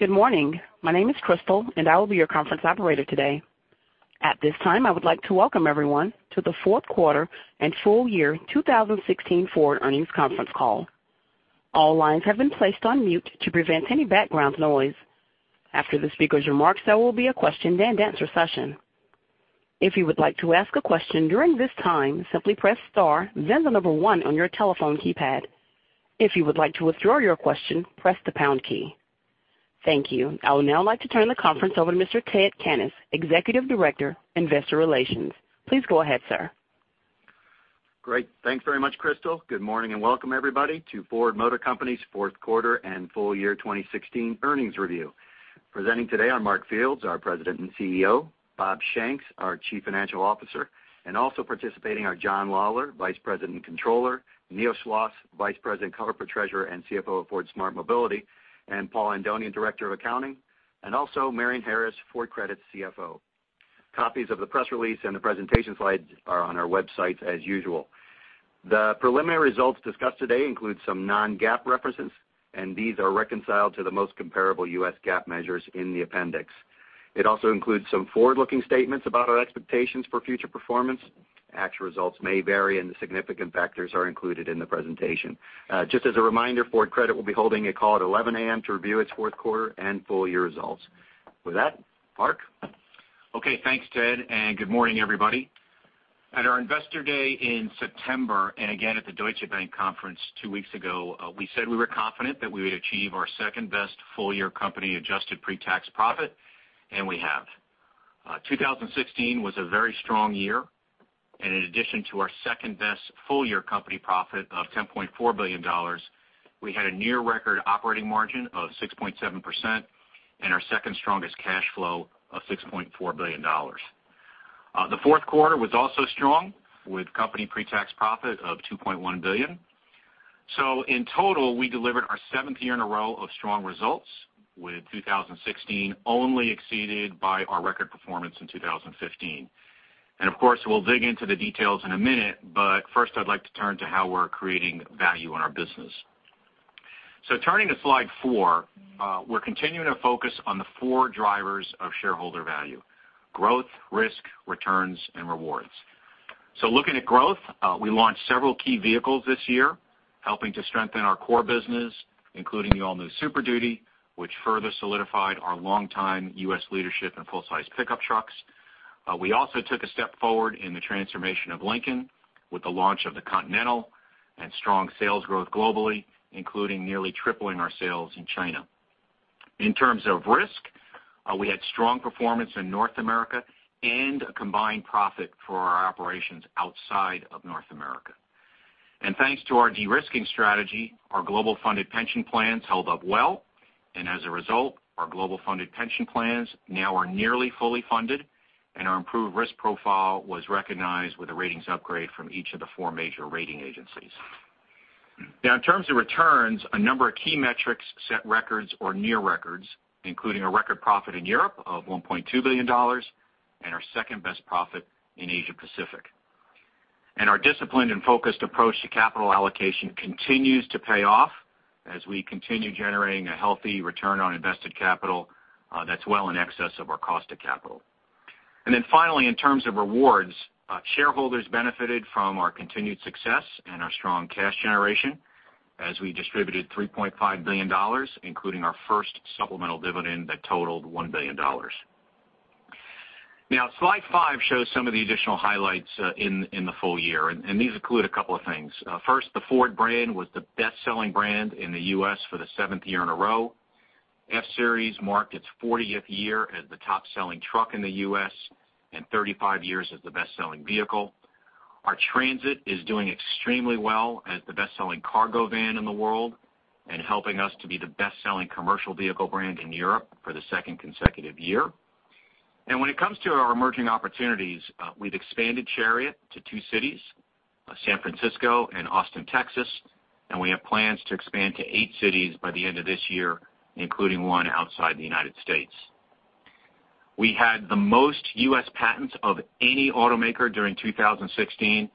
Good morning. My name is Crystal, and I will be your conference operator today. At this time, I would like to welcome everyone to the fourth quarter and full year 2016 Ford earnings conference call. All lines have been placed on mute to prevent any background noise. After the speaker's remarks, there will be a question-and-answer session. If you would like to ask a question during this time, simply press star then the number one on your telephone keypad. If you would like to withdraw your question, press the pound key. Thank you. I would now like to turn the conference over to Mr. Ted Cannis, Executive Director, Investor Relations. Please go ahead, sir. Great. Thanks very much, Crystal. Good morning and welcome everybody to Ford Motor Company's fourth quarter and full year 2016 earnings review. Presenting today are Mark Fields, our President and CEO, Bob Shanks, our Chief Financial Officer, and also participating are John Lawler, Vice President and Controller, Neil Schloss, Vice President, Corporate Treasurer, and CFO of Ford Smart Mobility, and Paul Andonian, Director of Accounting, and also Marion Harris, Ford Credit's CFO. Copies of the press release and the presentation slides are on our website as usual. The preliminary results discussed today include some non-GAAP references, and these are reconciled to the most comparable U.S. GAAP measures in the appendix. It also includes some forward-looking statements about our expectations for future performance. Actual results may vary, and the significant factors are included in the presentation. Just as a reminder, Ford Credit will be holding a call at 11:00 A.M. to review its fourth quarter and full-year results. With that, Mark. Okay, thanks Ted, and good morning, everybody. At our Investor Day in September, and again at the Deutsche Bank conference two weeks ago, we said we were confident that we would achieve our second-best full-year company adjusted pretax profit, and we have. 2016 was a very strong year. In addition to our second-best full-year company profit of $10.4 billion, we had a near record operating margin of 6.7% and our second strongest cash flow of $6.4 billion. The fourth quarter was also strong, with company pretax profit of $2.1 billion. In total, we delivered our seventh year in a row of strong results with 2016 only exceeded by our record performance in 2015. Of course, we'll dig into the details in a minute, first I'd like to turn to how we're creating value in our business. Turning to slide four, we're continuing to focus on the four drivers of shareholder value: growth, risk, returns, and rewards. Looking at growth, we launched several key vehicles this year, helping to strengthen our core business, including the all-new Super Duty, which further solidified our longtime U.S. leadership in full-size pickup trucks. We also took a step forward in the transformation of Lincoln with the launch of the Continental and strong sales growth globally, including nearly tripling our sales in China. In terms of risk, we had strong performance in North America and a combined profit for our operations outside of North America. Thanks to our de-risking strategy, our global funded pension plans held up well, and as a result, our global funded pension plans now are nearly fully funded, and our improved risk profile was recognized with a ratings upgrade from each of the four major rating agencies. In terms of returns, a number of key metrics set records or near records, including a record profit in Europe of $1.2 billion and our second-best profit in Asia Pacific. Our disciplined and focused approach to capital allocation continues to pay off as we continue generating a healthy return on invested capital that's well in excess of our cost of capital. Finally, in terms of rewards, shareholders benefited from our continued success and our strong cash generation as we distributed $3.5 billion, including our first supplemental dividend that totaled $1 billion. Slide five shows some of the additional highlights in the full year, and these include a couple of things. First, the Ford brand was the best-selling brand in the U.S. for the seventh year in a row. F-Series marked its 40th year as the top-selling truck in the U.S. and 35 years as the best-selling vehicle. Our Transit is doing extremely well as the best-selling cargo van in the world and helping us to be the best-selling commercial vehicle brand in Europe for the second consecutive year. When it comes to our emerging opportunities, we've expanded Chariot to two cities, San Francisco and Austin, Texas, and we have plans to expand to eight cities by the end of this year, including one outside the United States. We had the most U.S. patents of any automaker during 2016,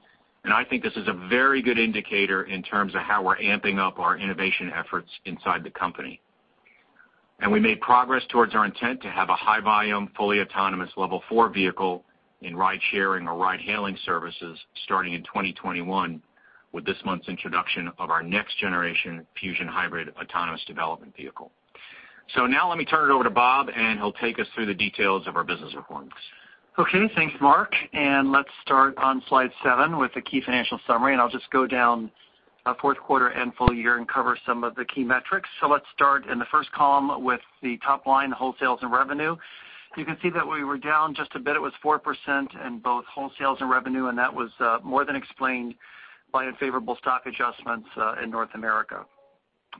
I think this is a very good indicator in terms of how we're amping up our innovation efforts inside the company. We made progress towards our intent to have a high-volume, fully autonomous Level 4 vehicle in ride-sharing or ride-hailing services starting in 2021 with this month's introduction of our next-generation Fusion Hybrid autonomous development vehicle. Let me turn it over to Bob, he'll take us through the details of our business performance. Okay, thanks Mark, let's start on slide seven with the key financial summary. I'll just go down fourth quarter and full year and cover some of the key metrics. Let's start in the first column with the top line, wholesales and revenue. You can see that we were down just a bit. It was 4% in both wholesales and revenue, that was more than explained by unfavorable stock adjustments in North America.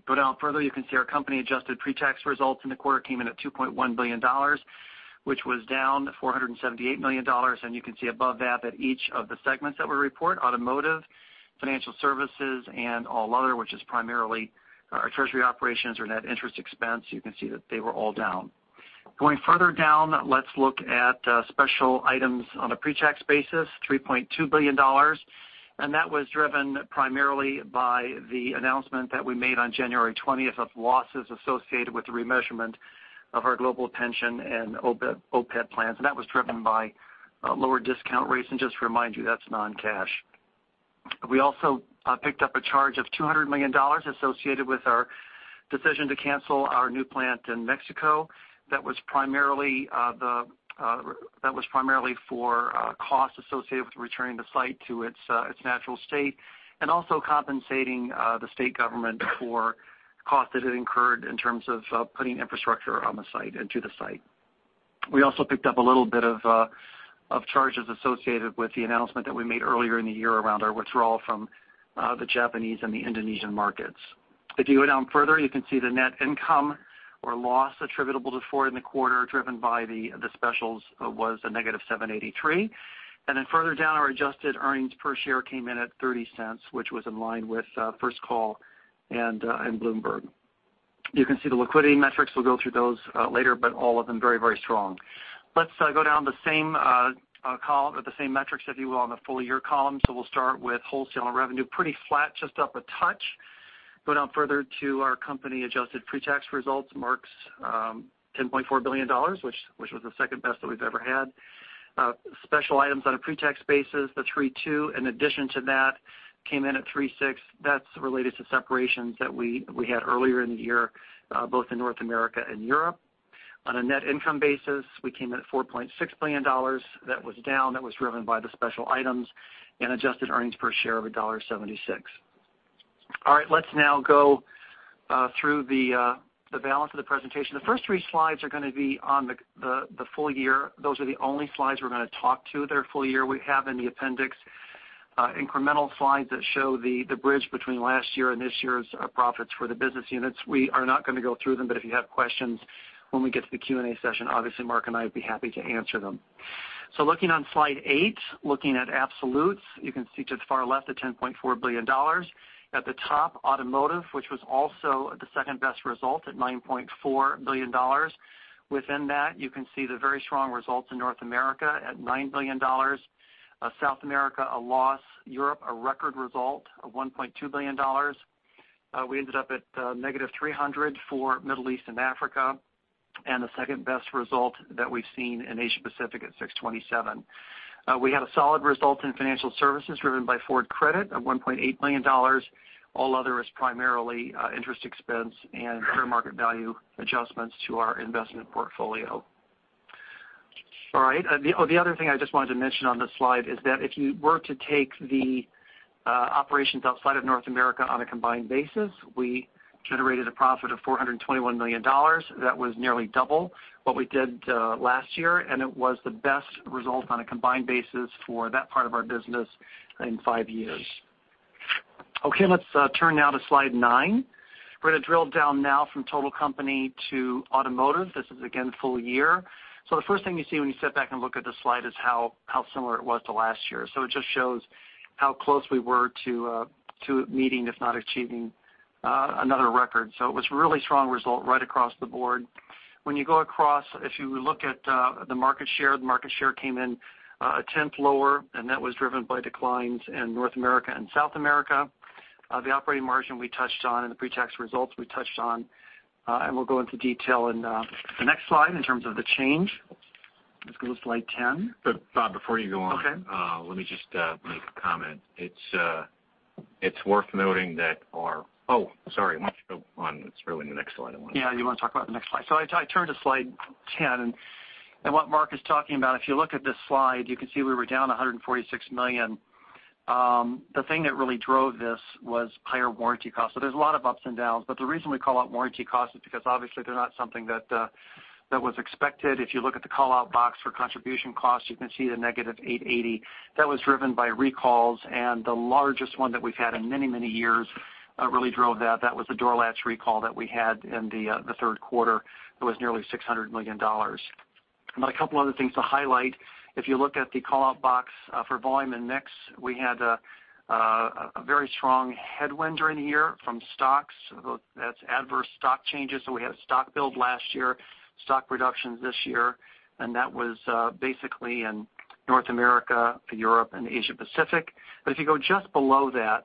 Go down further, you can see our company-adjusted pretax results in the quarter came in at $2.1 billion, which was down $478 million. You can see above that each of the segments that we report, Automotive, Financial Services, and All Other, which is primarily our treasury operations or net interest expense, you can see that they were all down. Going further down, let's look at special items on a pre-tax basis, $3.2 billion. That was driven primarily by the announcement that we made on January 20th of losses associated with the remeasurement of our global pension and OPEB plans. That was driven by lower discount rates. Just to remind you, that's non-cash. We also picked up a charge of $200 million associated with our decision to cancel our new plant in Mexico. That was primarily for costs associated with returning the site to its natural state and also compensating the state government for costs that it incurred in terms of putting infrastructure on the site and to the site. We also picked up a little bit of charges associated with the announcement that we made earlier in the year around our withdrawal from the Japanese and the Indonesian markets. If you go down further, you can see the net income or loss attributable to Ford in the quarter, driven by the specials was a negative $783 million. Further down, our adjusted earnings per share came in at $0.30, which was in line with First Call and Bloomberg. You can see the liquidity metrics. We'll go through those later, but all of them very strong. Let's go down the same column or the same metrics, if you will, on the full-year column. We'll start with wholesale revenue. Pretty flat, just up a touch. Go down further to our company adjusted pre-tax results, Mark's $10.4 billion, which was the second-best that we've ever had. Special items on a pre-tax basis, the $3.2 billion in addition to that came in at $3.6 billion. That's related to separations that we had earlier in the year, both in North America and Europe. On a net income basis, we came in at $4.6 billion. That was down. That was driven by the special items and adjusted earnings per share of $1.76. All right. Let's now go through the balance of the presentation. The first three slides are going to be on the full year. Those are the only slides we're going to talk to. They're full year. We have in the appendix incremental slides that show the bridge between last year and this year's profits for the business units. We are not going to go through them, but if you have questions when we get to the Q&A session, obviously Mark and I would be happy to answer them. Looking on slide eight, looking at absolutes, you can see to the far left the $10.4 billion. At the top, automotive, which was also the second-best result at $9.4 billion. Within that, you can see the very strong results in North America at $9 billion. South America, a loss. Europe, a record result of $1.2 billion. We ended up at -$300 million for Middle East and Africa, and the second-best result that we've seen in Asia Pacific at $627 million. We had a solid result in financial services driven by Ford Credit of $1.8 billion. All other is primarily interest expense and fair market value adjustments to our investment portfolio. All right. The other thing I just wanted to mention on this slide is that if you were to take the operations outside of North America on a combined basis, we generated a profit of $421 million. That was nearly double what we did last year, and it was the best result on a combined basis for that part of our business in five years. Let's turn now to slide nine. We're going to drill down now from total company to automotive. This is again, full year. The first thing you see when you step back and look at this slide is how similar it was to last year. It just shows how close we were to meeting, if not achieving another record. It was a really strong result right across the board. When you go across, if you look at the market share, the market share came in a tenth lower, and that was driven by declines in North America and South America. The operating margin we touched on and the pre-tax results we touched on. We'll go into detail in the next slide in terms of the change. Let's go to slide 10. Bob, before you go on. Okay. Let me just make a comment. It's worth noting that our. Oh, sorry, why don't you go on. It's really the next slide I wanted. Yeah, you want to talk about the next slide. I turned to slide 10, what Mark is talking about, if you look at this slide, you can see we were down $146 million. The thing that really drove this was higher warranty costs. There's a lot of ups and downs, the reason we call out warranty costs is because obviously they're not something that was expected. If you look at the call-out box for contribution costs, you can see the negative $880. That was driven by recalls, the largest one that we've had in many years really drove that. That was the door latch recall that we had in the third quarter. It was nearly $600 million. A couple other things to highlight. If you look at the call-out box for volume and mix, we had a very strong headwind during the year from stocks. That's adverse stock changes. We had a stock build last year, stock reductions this year, that was basically in North America, Europe, and Asia Pacific. If you go just below that,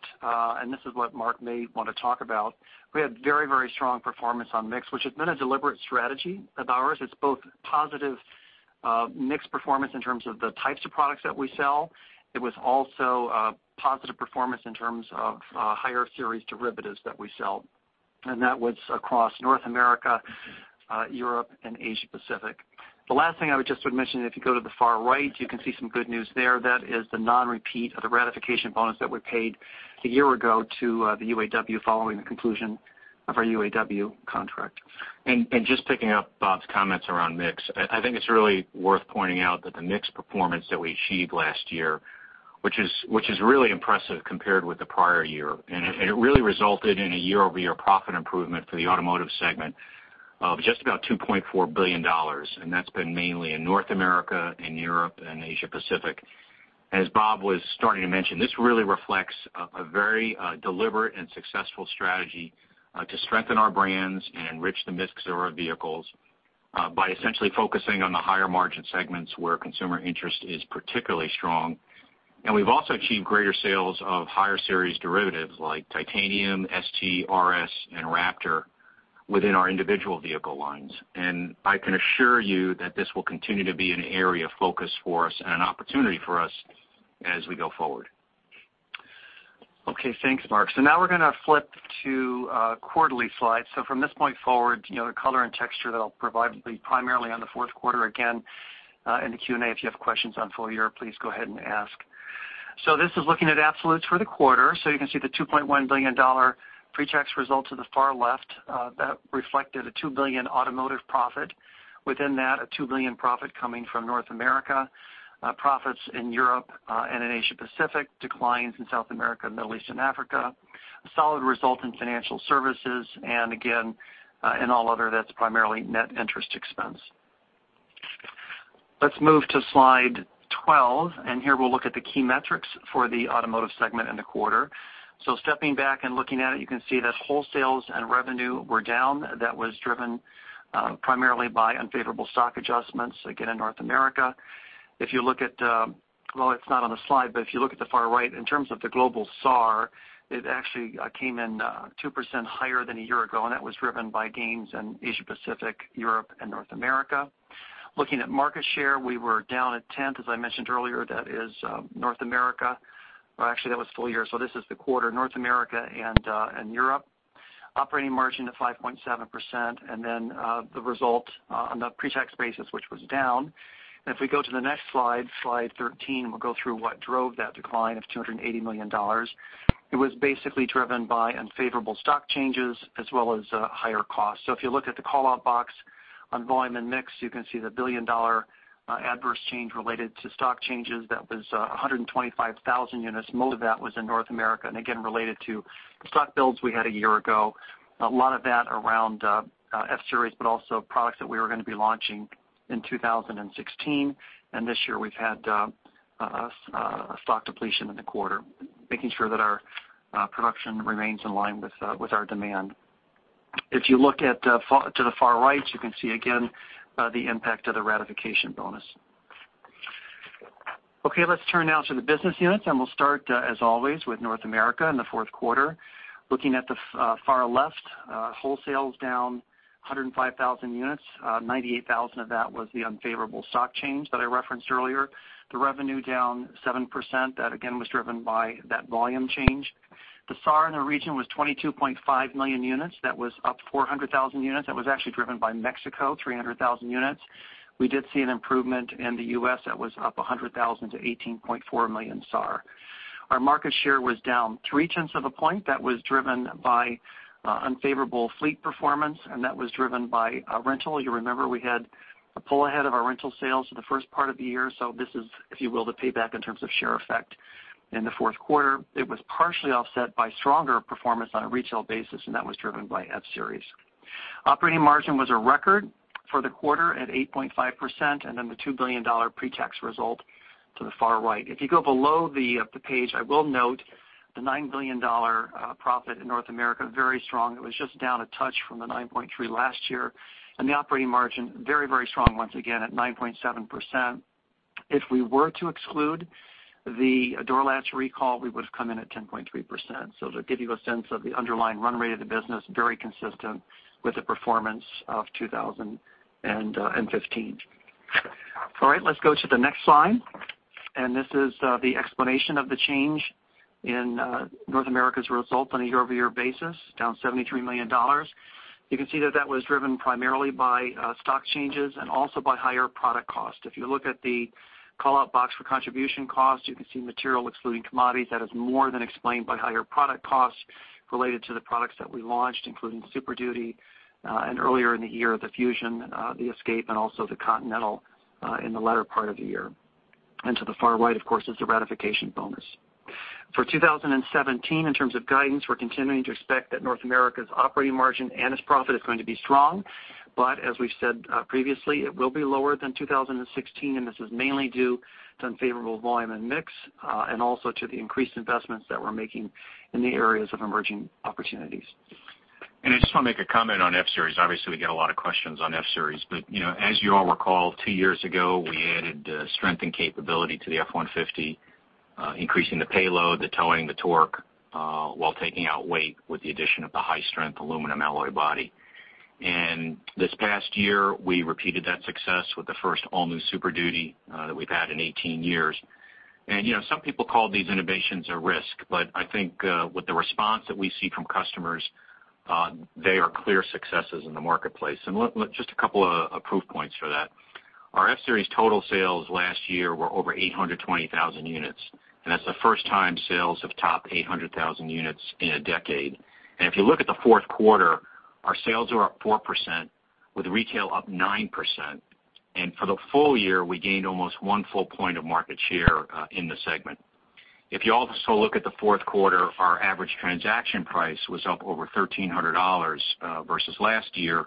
this is what Mark may want to talk about, we had very strong performance on mix, which has been a deliberate strategy of ours. It's both positive mix performance in terms of the types of products that we sell. It was also a positive performance in terms of higher series derivatives that we sell. That was across North America, Europe, and Asia Pacific. The last thing I would just mention, if you go to the far right, you can see some good news there. That is the non-repeat of the ratification bonus that we paid a year ago to the UAW following the conclusion of our UAW contract. Just picking up Bob's comments around mix, I think it's really worth pointing out that the mix performance that we achieved last year, which is really impressive compared with the prior year. It really resulted in a year-over-year profit improvement for the automotive segment of just about $2.4 billion. That's been mainly in North America and Europe and Asia Pacific. As Bob was starting to mention, this really reflects a very deliberate and successful strategy to strengthen our brands and enrich the mix of our vehicles by essentially focusing on the higher margin segments where consumer interest is particularly strong. We've also achieved greater sales of higher series derivatives like Titanium, ST, RS, and Raptor within our individual vehicle lines. I can assure you that this will continue to be an area of focus for us and an opportunity for us as we go forward. Okay. Thanks, Mark. Now we're going to flip to quarterly slides. From this point forward, the color and texture that I'll provide will be primarily on the fourth quarter. Again, in the Q&A, if you have questions on full year, please go ahead and ask. This is looking at absolutes for the quarter. You can see the $2.1 billion pre-tax result to the far left. That reflected a $2 billion automotive profit. Within that, a $2 billion profit coming from North America. Profits in Europe and in Asia Pacific, declines in South America, Middle East, and Africa. A solid result in financial services, and again, in all other, that's primarily net interest expense. Let's move to slide 12. Here we'll look at the key metrics for the automotive segment in the quarter. Stepping back and looking at it, you can see that wholesales and revenue were down. That was driven primarily by unfavorable stock adjustments, again, in North America. If you look at the It's not on the slide, but if you look at the far right, in terms of the global SAAR, it actually came in 2% higher than a year ago, and that was driven by gains in Asia Pacific, Europe, and North America. Looking at market share, we were down a tenth. As I mentioned earlier, that is North America. Actually that was full year. This is the quarter. North America and Europe. Operating margin at 5.7%, and then the result on the pre-tax basis, which was down. If we go to the next slide 13, we'll go through what drove that decline of $280 million. It was basically driven by unfavorable stock changes as well as higher costs. If you look at the call-out box on volume and mix, you can see the billion-dollar adverse change related to stock changes that was 125,000 units. Most of that was in North America, and again, related to stock builds we had a year ago. A lot of that around F-Series, but also products that we were going to be launching in 2016. This year we've had a stock depletion in the quarter, making sure that our production remains in line with our demand. If you look to the far right, you can see again the impact of the ratification bonus. Okay, let's turn now to the business units. We'll start, as always, with North America in the fourth quarter. Looking at the far left, wholesale is down 105,000 units. 98,000 of that was the unfavorable stock change that I referenced earlier. The revenue down 7%. That, again, was driven by that volume change. The SAAR in the region was 22.5 million units. That was up 100,000 units. That was actually driven by Mexico, 300,000 units. We did see an improvement in the U.S. that was up 100,000 to 18.4 million SAAR. Our market share was down three tenths of a point. That was driven by unfavorable fleet performance, and that was driven by rental. You remember we had a pull ahead of our rental sales for the first part of the year, so this is, if you will, the payback in terms of share effect in the fourth quarter. It was partially offset by stronger performance on a retail basis, and that was driven by F-Series. Operating margin was a record for the quarter at 8.5%, then the $2 billion pre-tax result to the far right. If you go below the page, I will note the $9 billion profit in North America, very strong. It was just down a touch from the $9.3 billion last year. The operating margin, very, very strong once again at 9.7%. If we were to exclude the door latch recall, we would've come in at 10.3%. To give you a sense of the underlying run rate of the business, very consistent with the performance of 2015. All right. Let's go to the next slide. This is the explanation of the change in North America's result on a year-over-year basis, down $73 million. You can see that that was driven primarily by stock changes and also by higher product cost. If you look at the call-out box for contribution cost, you can see material excluding commodities. That is more than explained by higher product costs related to the products that we launched, including Super Duty, and earlier in the year, the Fusion, the Escape, and also the Continental in the latter part of the year. To the far right, of course, is the ratification bonus. For 2017, in terms of guidance, we're continuing to expect that North America's operating margin and its profit is going to be strong. But as we've said previously, it will be lower than 2016, this is mainly due to unfavorable volume and mix, and also to the increased investments that we're making in the areas of emerging opportunities. I just want to make a comment on F-Series. Obviously, we get a lot of questions on F-Series. As you all recall, two years ago, we added strength and capability to the F-150, increasing the payload, the towing, the torque, while taking out weight with the addition of the high-strength aluminum alloy body. This past year, we repeated that success with the first all-new Super Duty that we've had in 18 years. Some people call these innovations a risk, but I think with the response that we see from customers, they are clear successes in the marketplace. Just a couple of proof points for that. Our F-Series total sales last year were over 820,000 units, that's the first time sales have topped 800,000 units in a decade. If you look at the fourth quarter, our sales are up 4% with retail up 9%. For the full year, we gained almost one full point of market share in the segment. If you also look at the fourth quarter, our average transaction price was up over $1,300 versus last year,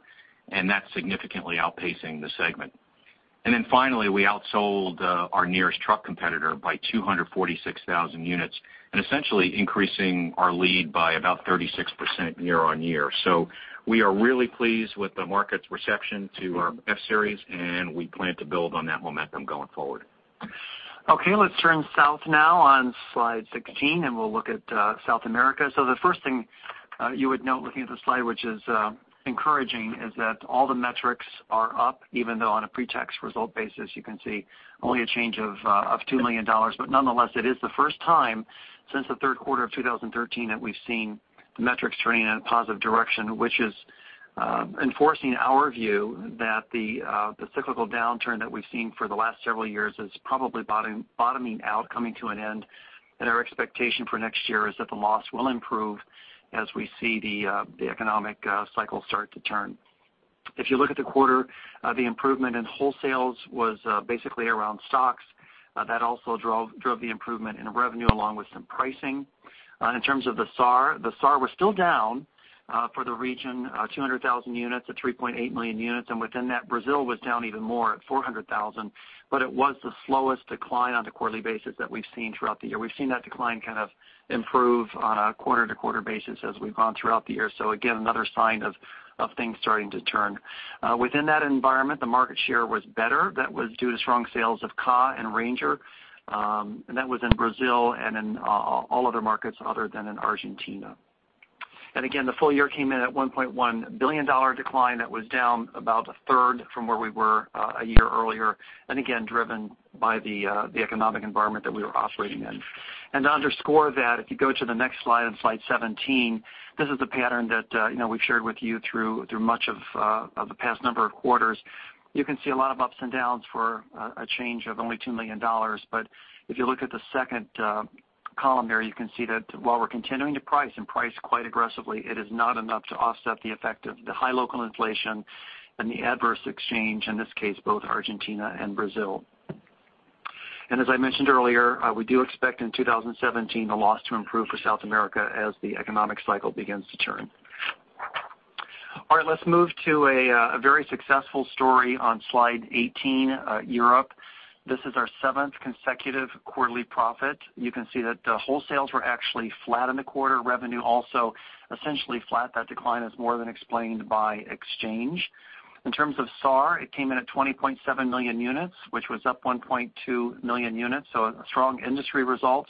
and that's significantly outpacing the segment. Finally, we outsold our nearest truck competitor by 246,000 units, essentially increasing our lead by about 36% year-on-year. We are really pleased with the market's reception to our F-Series, and we plan to build on that momentum going forward. Let's turn south now on slide 16, and we'll look at South America. The first thing you would note looking at the slide, which is encouraging, is that all the metrics are up, even though on a pre-tax result basis, you can see only a change of $2 million. Nonetheless, it is the first time since the third quarter of 2013 that we've seen the metrics turning in a positive direction, which is enforcing our view that the cyclical downturn that we've seen for the last several years is probably bottoming out, coming to an end. Our expectation for next year is that the loss will improve as we see the economic cycle start to turn. If you look at the quarter, the improvement in wholesales was basically around stocks. That also drove the improvement in revenue along with some pricing. In terms of the SAAR, the SAAR was still down for the region 200,000 units to 3.8 million units, and within that, Brazil was down even more at 400,000. It was the slowest decline on a quarterly basis that we've seen throughout the year. We've seen that decline kind of improve on a quarter-over-quarter basis as we've gone throughout the year. Again, another sign of things starting to turn. Within that environment, the market share was better. That was due to strong sales of Ka and Ranger, and that was in Brazil and in all other markets other than in Argentina. Again, the full year came in at $1.1 billion decline. That was down about a third from where we were a year earlier, and again, driven by the economic environment that we were operating in. To underscore that, if you go to the next slide 17, this is the pattern that we've shared with you through much of the past number of quarters. You can see a lot of ups and downs for a change of only $2 million. If you look at the second column there, you can see that while we're continuing to price and price quite aggressively, it is not enough to offset the effect of the high local inflation and the adverse exchange, in this case, both Argentina and Brazil. As I mentioned earlier, we do expect in 2017 the loss to improve for South America as the economic cycle begins to turn. Let's move to a very successful story on slide 18, Europe. This is our seventh consecutive quarterly profit. You can see that the wholesales were actually flat in the quarter, revenue also essentially flat. That decline is more than explained by exchange. In terms of SAAR, it came in at 20.7 million units, which was up 1.2 million units, so a strong industry result.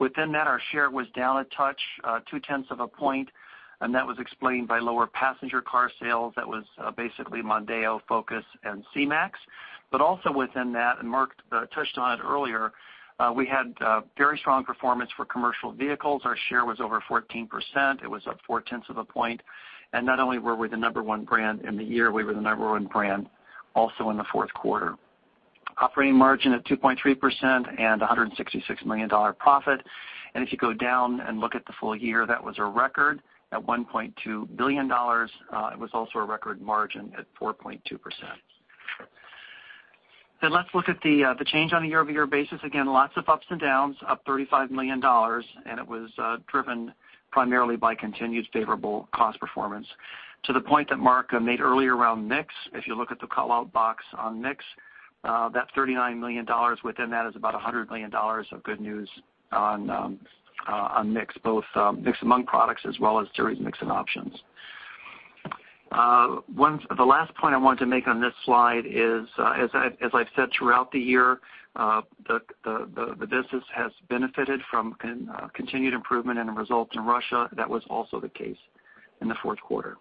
Within that, our share was down a touch, two-tenths of a point, and that was explained by lower passenger car sales. That was basically Mondeo, Focus, and C-MAX. Also within that, and Mark touched on it earlier, we had very strong performance for commercial vehicles. Our share was over 14%. It was up four-tenths of a point. Not only were we the number one brand in the year, we were the number one brand also in the fourth quarter. Operating margin at 2.3% and $166 million profit. If you go down and look at the full year, that was a record at $1.2 billion. It was also a record margin at 4.2%. Let's look at the change on a year-over-year basis. Again, lots of ups and downs, up $35 million, and it was driven primarily by continued favorable cost performance. To the point that Mark made earlier around mix, if you look at the call-out box on mix, that $39 million within that is about $100 million of good news on mix, both mix among products as well as series mix and options. The last point I wanted to make on this slide is, as I've said throughout the year, the business has benefited from continued improvement in the results in Russia. That was also the case in the fourth quarter.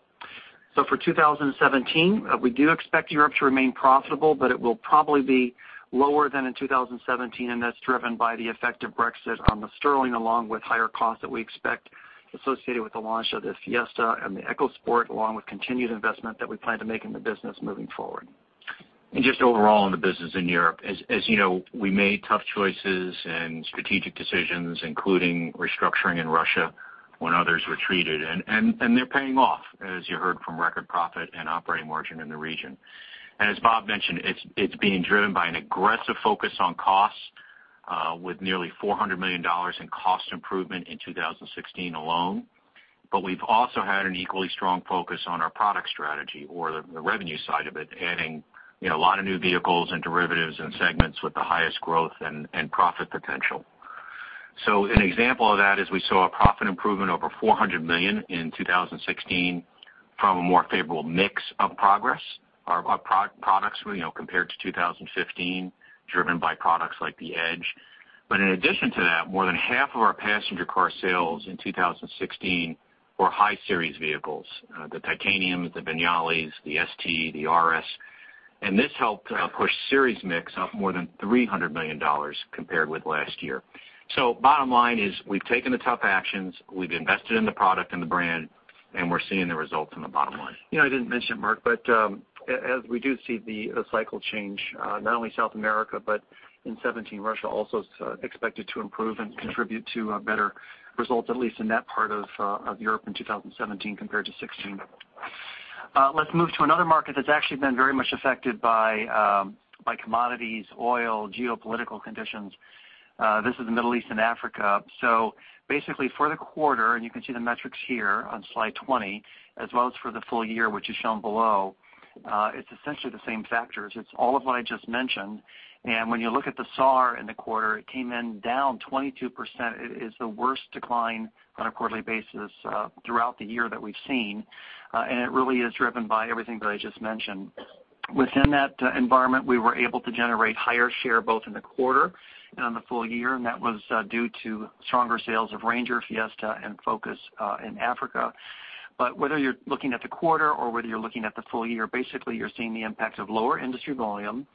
For 2017, we do expect Europe to remain profitable, but it will probably be lower than in 2017, and that's driven by the effect of Brexit on the sterling, along with higher costs that we expect associated with the launch of the Fiesta and the EcoSport, along with continued investment that we plan to make in the business moving forward. Just overall in the business in Europe, as you know, we made tough choices and strategic decisions, including restructuring in Russia when others retreated, and they're paying off, as you heard from record profit and operating margin in the region. As Bob mentioned, it's being driven by an aggressive focus on costs with nearly $400 million in cost improvement in 2016 alone. We've also had an equally strong focus on our product strategy or the revenue side of it, adding a lot of new vehicles and derivatives and segments with the highest growth and profit potential. An example of that is we saw a profit improvement over $400 million in 2016 from a more favorable mix of products compared to 2015, driven by products like the Edge. In addition to that, more than half of our passenger car sales in 2016 were high-series vehicles, the Titaniums, the Vignale, the ST, the RS. This helped push series mix up more than $300 million compared with last year. Bottom line is we've taken the tough actions, we've invested in the product and the brand, and we're seeing the results in the bottom line. I didn't mention it, Mark, as we do see the cycle change, not only South America, but in 2017, Russia also is expected to improve and contribute to better results, at least in that part of Europe in 2017 compared to 2016. Let's move to another market that's actually been very much affected by commodities, oil, geopolitical conditions. This is the Middle East and Africa. Basically, for the quarter, and you can see the metrics here on slide 20, as well as for the full year, which is shown below, it's essentially the same factors. It's all of what I just mentioned. When you look at the SAAR in the quarter, it came in down 22%. It is the worst decline on a quarterly basis throughout the year that we've seen. It really is driven by everything that I just mentioned. Within that environment, we were able to generate higher share both in the quarter and on the full year, that was due to stronger sales of Ranger, Fiesta, and Focus in Africa. Whether you're looking at the quarter or whether you're looking at the full year, basically you're seeing the impact of lower industry volume,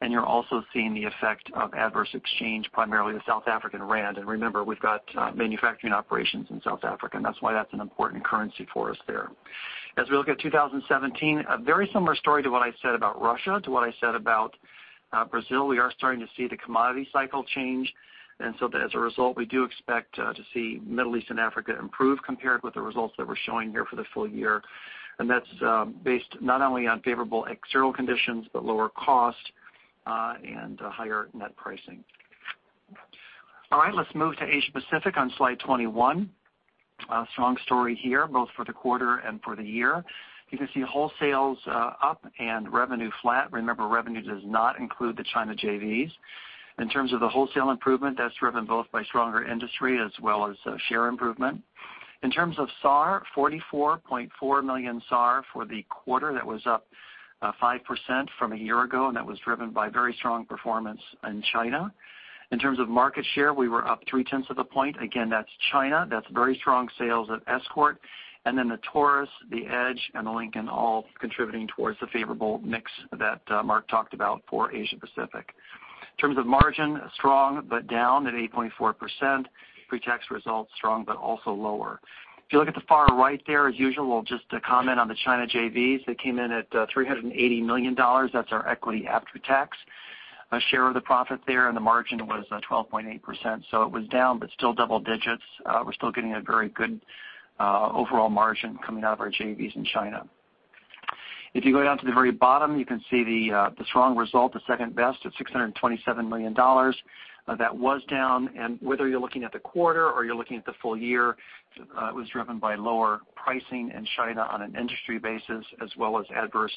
and you're also seeing the effect of adverse exchange, primarily the South African rand. Remember, we've got manufacturing operations in South Africa, and that's why that's an important currency for us there. As we look at 2017, a very similar story to what I said about Russia, to what I said about Brazil. As a result, we do expect to see Middle East and Africa improve compared with the results that we're showing here for the full year. That's based not only on favorable external conditions, but lower cost and higher net pricing. All right, let's move to Asia Pacific on slide 21. A strong story here, both for the quarter and for the year. You can see wholesales up and revenue flat. Remember, revenue does not include the China JVs. In terms of the wholesale improvement, that's driven both by stronger industry as well as share improvement. In terms of SAR, 44.4 million SAR for the quarter. That was up 5% from a year ago, and that was driven by very strong performance in China. In terms of market share, we were up three-tenths of a point. Again, that's China. That's very strong sales at Escort, and then the Taurus, the Edge, and the Lincoln all contributing towards the favorable mix that Mark talked about for Asia Pacific. In terms of margin, strong but down at 8.4%. Pretax results strong but also lower. If you look at the far right there, as usual, just to comment on the China JVs. They came in at $380 million. That's our equity after tax share of the profit there, and the margin was 12.8%, so it was down, but still double digits. We're still getting a very good overall margin coming out of our JVs in China. If you go down to the very bottom, you can see the strong result, the second best at $627 million. That was down, and whether you're looking at the quarter or you're looking at the full year, it was driven by lower pricing in China on an industry basis as well as adverse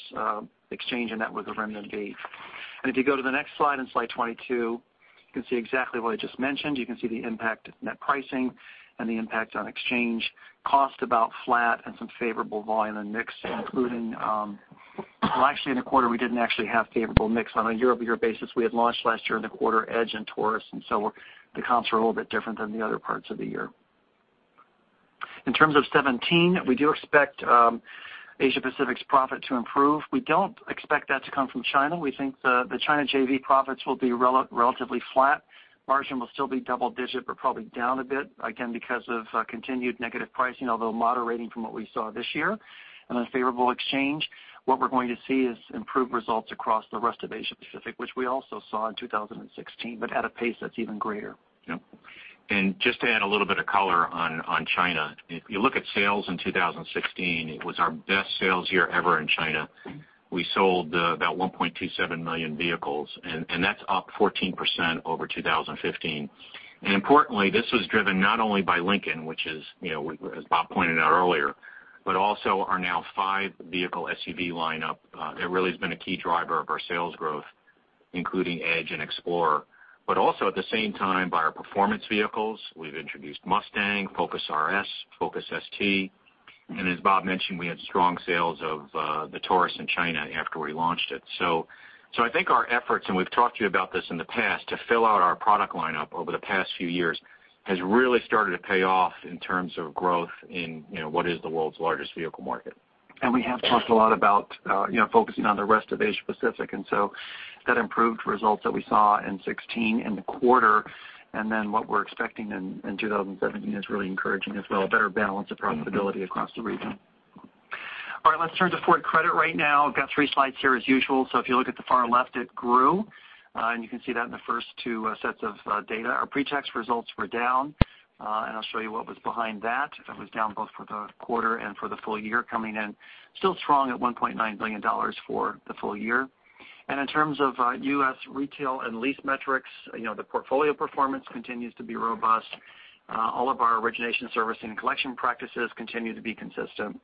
exchange, and that was the renminbi. If you go to the next slide, on slide 22, you can see exactly what I just mentioned. You can see the impact of net pricing and the impact on exchange. Cost about flat and some favorable volume and mix. In the quarter, we didn't actually have favorable mix. On a year-over-year basis, we had launched last year in the quarter Edge and Taurus, so the comps were a little bit different than the other parts of the year. In terms of 2017, we do expect Asia Pacific's profit to improve. We don't expect that to come from China. We think the China JV profits will be relatively flat. Margin will still be double digit, but probably down a bit, again, because of continued negative pricing, although moderating from what we saw this year and unfavorable exchange. What we're going to see is improved results across the rest of Asia Pacific, which we also saw in 2016, but at a pace that's even greater. Yep. Just to add a little bit of color on China. If you look at sales in 2016, it was our best sales year ever in China. We sold about 1.27 million vehicles, that's up 14% over 2015. Importantly, this was driven not only by Lincoln, which is, as Bob pointed out earlier, but also our now five-vehicle SUV lineup that really has been a key driver of our sales growth, including Edge and Explorer. Also at the same time by our performance vehicles. We've introduced Mustang, Focus RS, Focus ST. As Bob mentioned, we had strong sales of the Taurus in China after we launched it. I think our efforts, and we've talked to you about this in the past, to fill out our product lineup over the past few years has really started to pay off in terms of growth in what is the world's largest vehicle market. We have talked a lot about focusing on the rest of Asia Pacific, that improved results that we saw in 2016 in the quarter and then what we're expecting in 2017 is really encouraging as well. A better balance of profitability across the region. All right. Let's turn to Ford Credit right now. Got three slides here as usual. If you look at the far left, it grew. You can see that in the first two sets of data. Our pretax results were down, and I'll show you what was behind that. It was down both for the quarter and for the full year, coming in still strong at $1.9 billion for the full year. In terms of U.S. retail and lease metrics, the portfolio performance continues to be robust. All of our origination servicing and collection practices continue to be consistent.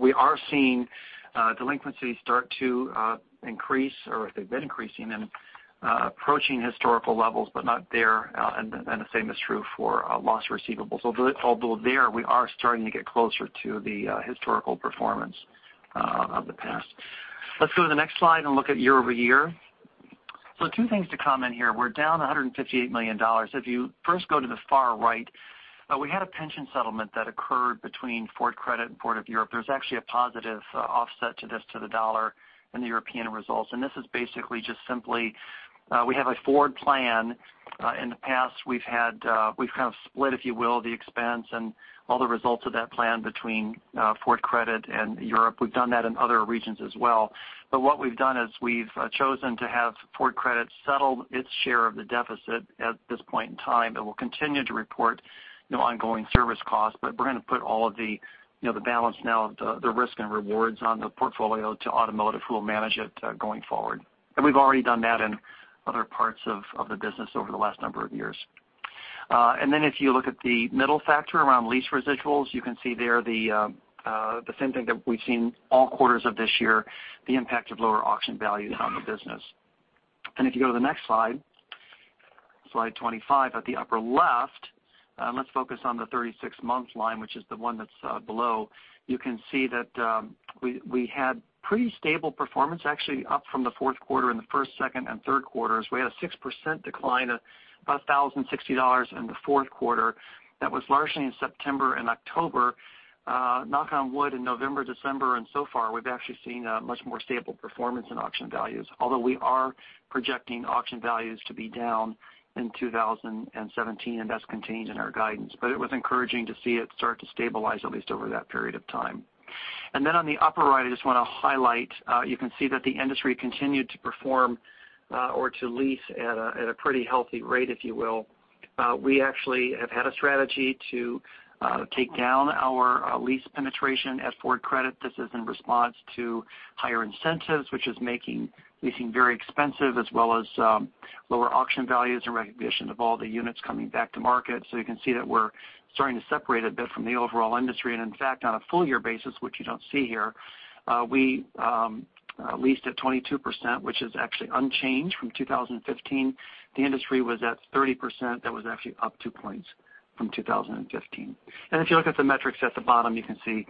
We are seeing delinquencies start to increase, or they've been increasing and approaching historical levels, but not there. The same is true for loss receivables, although there we are starting to get closer to the historical performance of the past. Let's go to the next slide and look at year-over-year. Two things to comment here. We're down $158 million. If you first go to the far right, we had a pension settlement that occurred between Ford Credit and Ford of Europe. There's actually a positive offset to this to the dollar in the European results. This is basically just simply we have a Ford plan. In the past we've kind of split, if you will, the expense and all the results of that plan between Ford Credit and Europe. We've done that in other regions as well. What we've done is we've chosen to have Ford Credit settle its share of the deficit at this point in time. It will continue to report ongoing service costs, but we're going to put all of the balance now of the risk and rewards on the portfolio to Automotive who will manage it going forward. We've already done that in other parts of the business over the last number of years. If you look at the middle factor around lease residuals, you can see there the same thing that we've seen all quarters of this year, the impact of lower auction values on the business. If you go to the next slide 25 at the upper left, let's focus on the 36 months line, which is the one that's below. You can see that we had pretty stable performance, actually up from the fourth quarter and the first, second, and third quarters. We had a 6% decline of $1,060 in the fourth quarter. That was largely in September and October. Knock on wood, in November, December, and so far, we've actually seen a much more stable performance in auction values, although we are projecting auction values to be down in 2017, and that's contained in our guidance. It was encouraging to see it start to stabilize, at least over that period of time. On the upper right, I just want to highlight, you can see that the industry continued to perform or to lease at a pretty healthy rate, if you will. We actually have had a strategy to take down our lease penetration at Ford Credit. This is in response to higher incentives, which is making leasing very expensive, as well as lower auction values in recognition of all the units coming back to market. You can see that we're starting to separate a bit from the overall industry. In fact, on a full year basis, which you don't see here, we leased at 22%, which is actually unchanged from 2015. The industry was at 30%. That was actually up 2 points from 2015. If you look at the metrics at the bottom, you can see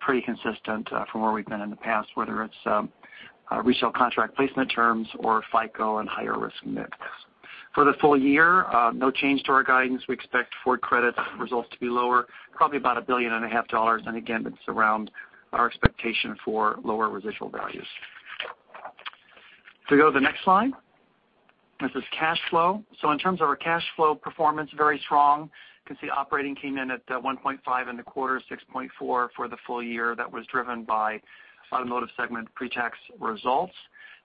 pretty consistent from where we've been in the past, whether it's resale contract placement terms or FICO and higher risk mix. For the full year, no change to our guidance. We expect Ford Credit results to be lower, probably about a billion and a half dollars. Again, that's around our expectation for lower residual values. If we go to the next slide. This is cash flow. In terms of our cash flow performance, very strong. You can see operating came in at $1.5 in the quarter, $6.4 for the full year. That was driven by automotive segment pretax results.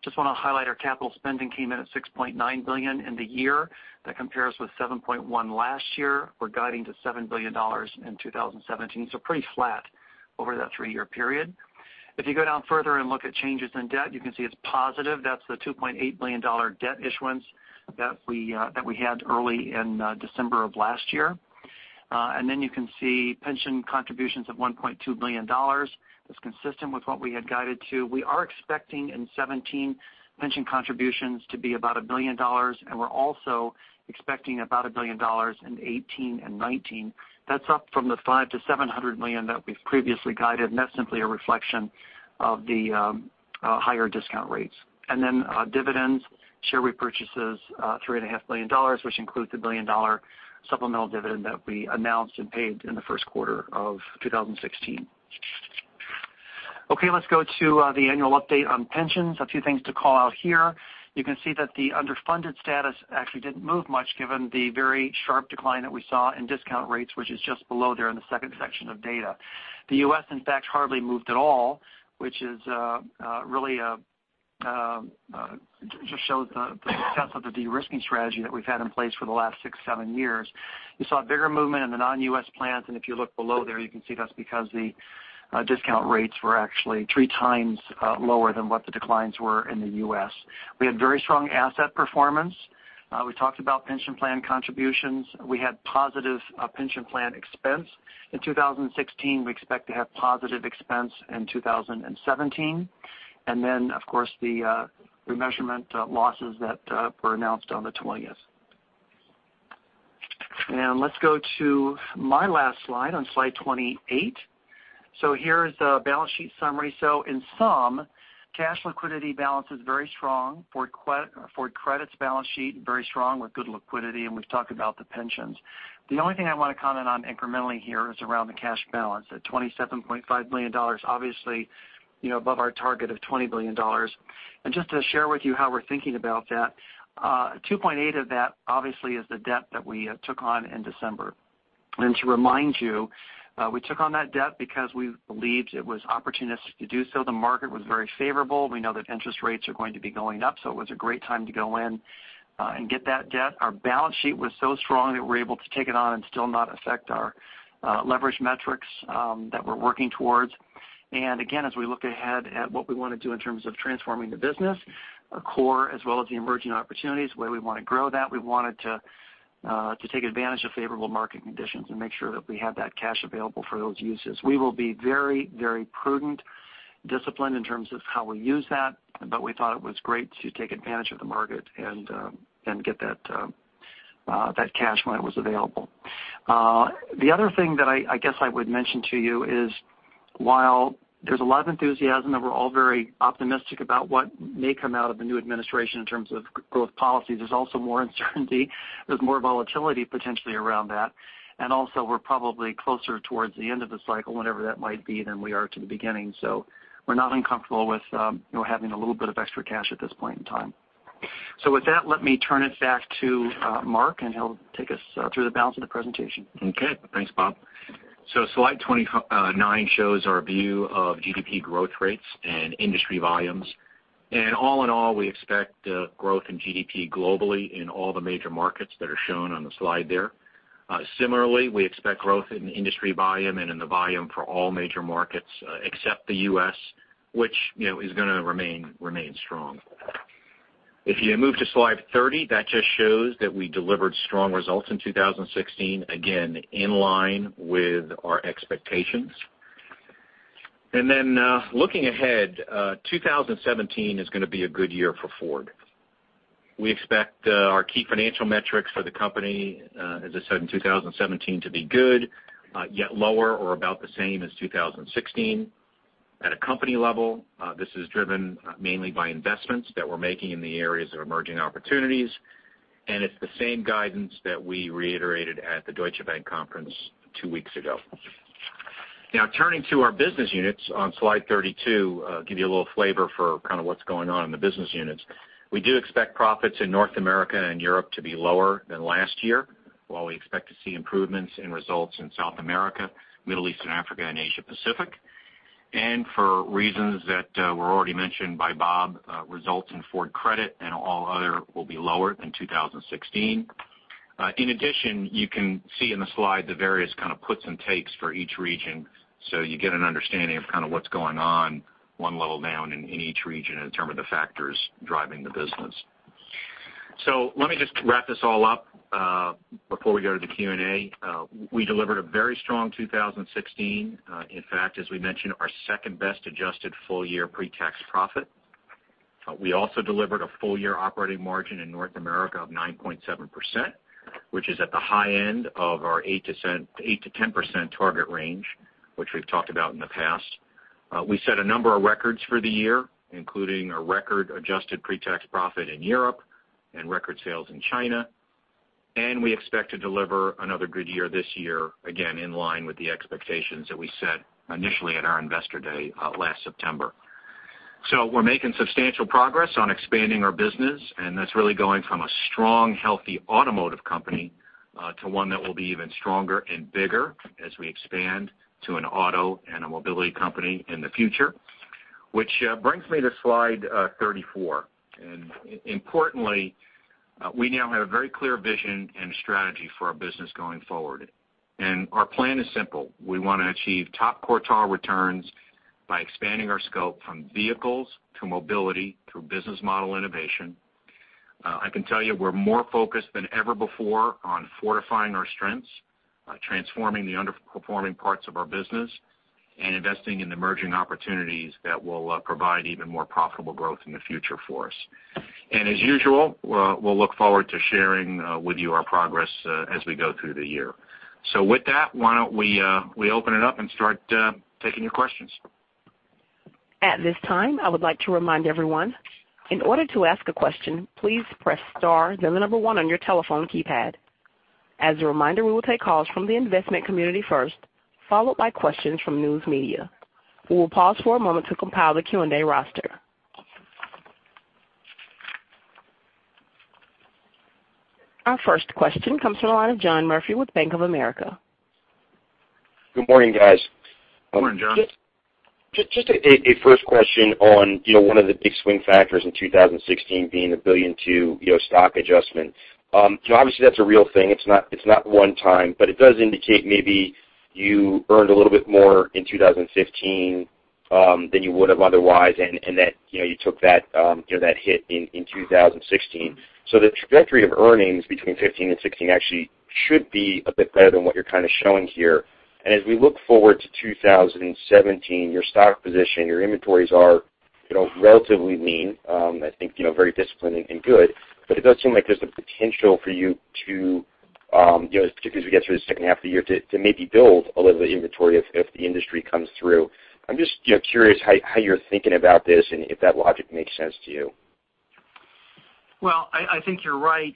Just want to highlight our capital spending came in at $6.9 billion in the year. That compares with $7.1 last year. We're guiding to $7 billion in 2017, so pretty flat over that three-year period. If you go down further and look at changes in debt, you can see it's positive. That's the $2.8 billion debt issuance that we had early in December of last year. You can see pension contributions of $1.2 billion. That's consistent with what we had guided to. We are expecting in 2017 pension contributions to be about $1 billion, we're also expecting about $1 billion in 2018 and 2019. That's up from the $500 million-$700 million that we've previously guided, that's simply a reflection of the higher discount rates. Dividends, share repurchases, $3.5 billion, which includes the billion-dollar supplemental dividend that we announced and paid in the first quarter of 2016. Let's go to the annual update on pensions. A few things to call out here. You can see that the underfunded status actually didn't move much given the very sharp decline that we saw in discount rates, which is just below there in the second section of data. The U.S., in fact, hardly moved at all, which just shows the success of the de-risking strategy that we've had in place for the last six, seven years. You saw a bigger movement in the non-U.S. plans, if you look below there, you can see that's because the discount rates were actually three times lower than what the declines were in the U.S. We had very strong asset performance. We talked about pension plan contributions. We had positive pension plan expense in 2016. We expect to have positive expense in 2017. Then, of course, the remeasurement losses that were announced on the 20th. Let's go to my last slide on slide 28. Here is the balance sheet summary. In sum, cash liquidity balance is very strong. Ford Credit's balance sheet very strong with good liquidity, and we've talked about the pensions. The only thing I want to comment on incrementally here is around the cash balance at $27.5 billion. Obviously, above our target of $20 billion. Just to share with you how we're thinking about that, $2.8 of that obviously is the debt that we took on in December. To remind you, we took on that debt because we believed it was opportunistic to do so. The market was very favorable. We know that interest rates are going to be going up, it was a great time to go in and get that debt. Our balance sheet was so strong that we were able to take it on and still not affect our leverage metrics that we're working towards. Again, as we look ahead at what we want to do in terms of transforming the business, our core as well as the emerging opportunities, the way we want to grow that, we wanted to take advantage of favorable market conditions and make sure that we had that cash available for those uses. We will be very, very prudent, disciplined in terms of how we use that, we thought it was great to take advantage of the market and get that cash when it was available. The other thing that I guess I would mention to you is while there's a lot of enthusiasm and we're all very optimistic about what may come out of the new administration in terms of growth policies, there's also more uncertainty. There's more volatility potentially around that. Also, we're probably closer towards the end of the cycle, whenever that might be, than we are to the beginning. We're not uncomfortable with having a little bit of extra cash at this point in time. With that, let me turn it back to Mark, and he'll take us through the balance of the presentation. Okay. Thanks, Bob. Slide 29 shows our view of GDP growth rates and industry volumes. All in all, we expect growth in GDP globally in all the major markets that are shown on the slide there. Similarly, we expect growth in industry volume and in the volume for all major markets except the U.S., which is going to remain strong. If you move to slide 30, that just shows that we delivered strong results in 2016, again, in line with our expectations. Then looking ahead, 2017 is going to be a good year for Ford. We expect our key financial metrics for the company, as I said, in 2017 to be good, yet lower or about the same as 2016. At a company level, this is driven mainly by investments that we're making in the areas of emerging opportunities. It's the same guidance that we reiterated at the Deutsche Bank conference two weeks ago. Turning to our business units on Slide 32, give you a little flavor for what's going on in the business units. We do expect profits in North America and Europe to be lower than last year, while we expect to see improvements in results in South America, Middle East and Africa, and Asia Pacific. For reasons that were already mentioned by Bob, results in Ford Credit and all other will be lower than 2016. In addition, you can see in the slide the various kind of puts and takes for each region, so you get an understanding of what's going on 1 level down in each region in terms of the factors driving the business. Let me just wrap this all up, before we go to the Q&A. We delivered a very strong 2016. In fact, as we mentioned, our second-best adjusted full-year pre-tax profit. We also delivered a full-year operating margin in North America of 9.7%, which is at the high end of our 8%-10% target range, which we've talked about in the past. We set a number of records for the year, including a record adjusted pre-tax profit in Europe and record sales in China. We expect to deliver another good year this year, again, in line with the expectations that we set initially at our investor day last September. We're making substantial progress on expanding our business, and that's really going from a strong, healthy automotive company to one that will be even stronger and bigger as we expand to an auto and a mobility company in the future. Which brings me to Slide 34. Importantly, we now have a very clear vision and strategy for our business going forward. Our plan is simple. We want to achieve top quartile returns by expanding our scope from vehicles to mobility through business model innovation. I can tell you we're more focused than ever before on fortifying our strengths, transforming the underperforming parts of our business, and investing in emerging opportunities that will provide even more profitable growth in the future for us. As usual, we'll look forward to sharing with you our progress as we go through the year. With that, why don't we open it up and start taking your questions. At this time, I would like to remind everyone, in order to ask a question, please press star then number 1 on your telephone keypad. As a reminder, we will take calls from the investment community first, followed by questions from news media. We will pause for a moment to compile the Q&A roster. Our first question comes from the line of John Murphy with Bank of America. Good morning, guys. Morning, John. Just a first question on one of the big swing factors in 2016 being the $1 billion to stock adjustment. Obviously that's a real thing. It's not one-time, but it does indicate maybe you earned a little bit more in 2015 than you would have otherwise, and that you took that hit in 2016. The trajectory of earnings between 2015 and 2016 actually should be a bit better than what you're kind of showing here. As we look forward to 2017, your stock position, your inventories are relatively lean, I think very disciplined and good, but it does seem like there's the potential for you to, particularly as we get through the second half of the year, to maybe build a little bit of inventory if the industry comes through. I'm just curious how you're thinking about this and if that logic makes sense to you. I think you're right,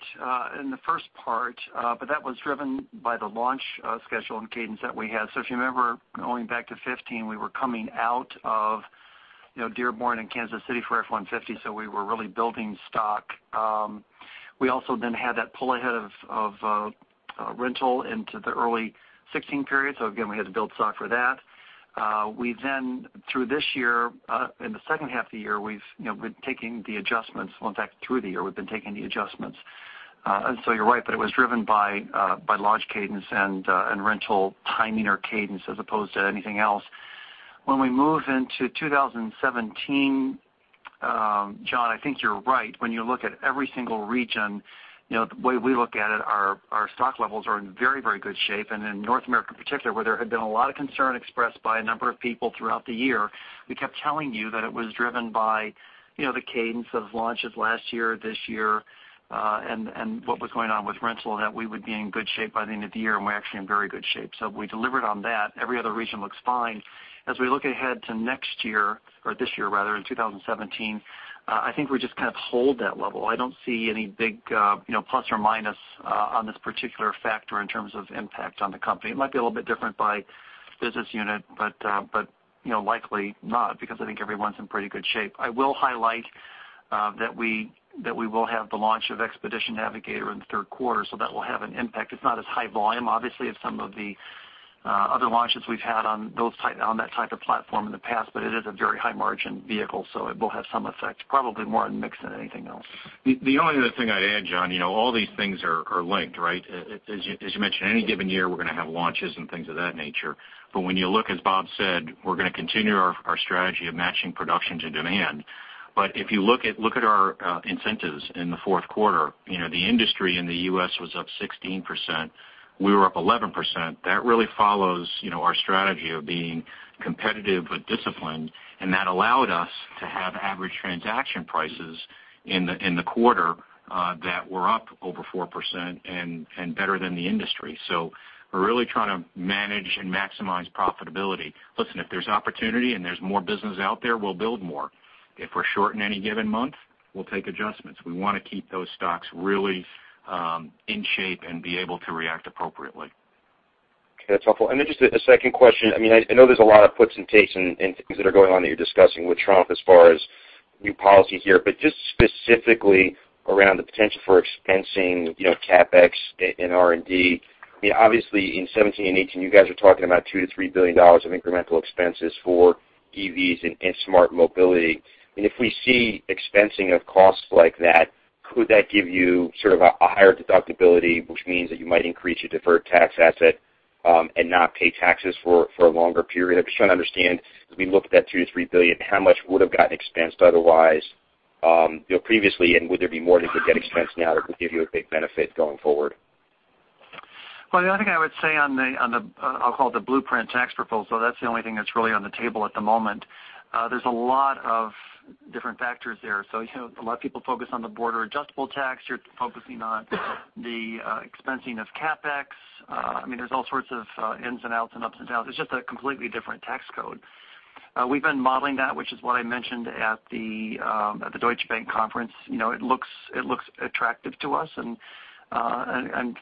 in the first part, That was driven by the launch schedule and cadence that we had. If you remember going back to 2015, we were coming out of Dearborn and Kansas City for F-150, we were really building stock. We also then had that pull ahead of rental into the early 2016 period. Again, we had to build stock for that. We, through this year, in the second half of the year, we've been taking the adjustments. In fact, through the year, we've been taking the adjustments. You're right, but it was driven by launch cadence and rental timing or cadence as opposed to anything else. When we move into 2017, John, I think you're right. When you look at every single region, the way we look at it, our stock levels are in very good shape. In North America in particular, where there had been a lot of concern expressed by a number of people throughout the year, we kept telling you that it was driven by the cadence of launches last year, this year, and what was going on with rental, and that we would be in good shape by the end of the year, and we're actually in very good shape. We delivered on that. Every other region looks fine. We look ahead to next year, or this year rather, in 2017, I think we just kind of hold that level. I don't see any big plus or minus on this particular factor in terms of impact on the company. It might be a little bit different by business unit, but likely not because I think everyone's in pretty good shape. I will highlight that we will have the launch of Expedition Navigator in the third quarter, That will have an impact. It's not as high volume, obviously, as some of the other launches we've had on that type of platform in the past, It is a very high-margin vehicle, It will have some effect, probably more in mix than anything else. The only other thing I'd add, John, all these things are linked, right? You mentioned, any given year, we're going to have launches and things of that nature. When you look, as Bob said, we're going to continue our strategy of matching production to demand. If you look at our incentives in the fourth quarter, the industry in the U.S. was up 16%. We were up 11%. That really follows our strategy of being competitive but disciplined, and that allowed us to have average transaction prices in the quarter that were up over 4% and better than the industry. We're really trying to manage and maximize profitability. Listen, if there's opportunity and there's more business out there, we'll build more. If we're short in any given month, we'll take adjustments. We want to keep those stocks really in shape and be able to react appropriately. Okay, that's helpful. Then just a second question. I know there's a lot of puts and takes and things that are going on that you're discussing with Trump as far as new policy here, but just specifically around the potential for expensing CapEx and R&D. Obviously, in 2017 and 2018, you guys are talking about $2 billion-$3 billion of incremental expenses for EVs and smart mobility. If we see expensing of costs like that, could that give you sort of a higher deductibility, which means that you might increase your deferred tax asset and not pay taxes for a longer period? I'm just trying to understand, as we look at that $2 billion-$3 billion, how much would have gotten expensed otherwise previously, and would there be more that could get expensed now that would give you a big benefit going forward? Well, I think I would say on the, I'll call it the blueprint tax proposal, that's the only thing that's really on the table at the moment. There's a lot of different factors there. A lot of people focus on the border adjustable tax. You're focusing on the expensing of CapEx. There's all sorts of ins and outs and ups and downs. It's just a completely different tax code. We've been modeling that, which is what I mentioned at the Deutsche Bank conference. It looks attractive to us and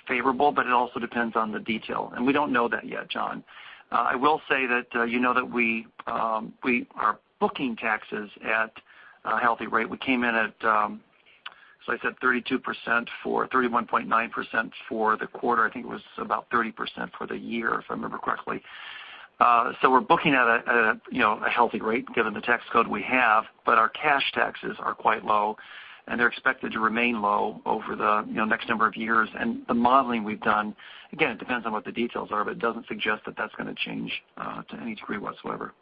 favorable, but it also depends on the detail. We don't know that yet, John. I will say that you know that we are booking taxes at a healthy rate. We came in at, as I said, 32% for 31.9% for the quarter. I think it was about 30% for the year, if I remember correctly. We're booking at a healthy rate given the tax code we have, but our cash taxes are quite low, and they're expected to remain low over the next number of years. The modeling we've done, again, it depends on what the details are, but it doesn't suggest that that's going to change to any degree whatsoever.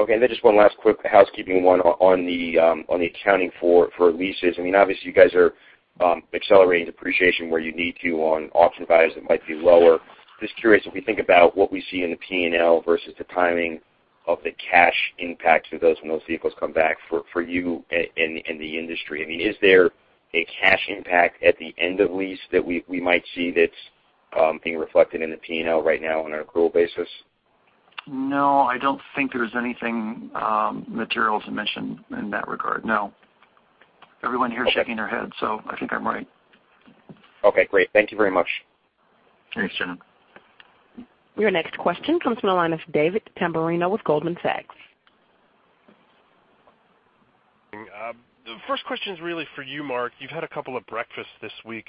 Okay, then just one last quick housekeeping one on the accounting for leases. Obviously, you guys are accelerating depreciation where you need to on auction values that might be lower. Just curious if we think about what we see in the P&L versus the timing of the cash impacts of those when those vehicles come back for you and the industry. Is there a cash impact at the end of lease that we might see that's being reflected in the P&L right now on an accrual basis? No, I don't think there's anything material to mention in that regard. No. Everyone here is shaking their head, so I think I'm right. Okay, great. Thank you very much. Thanks, John. Your next question comes from the line of David Tamberrino with Goldman Sachs. The first question is really for you, Mark. You've had a couple of breakfasts this week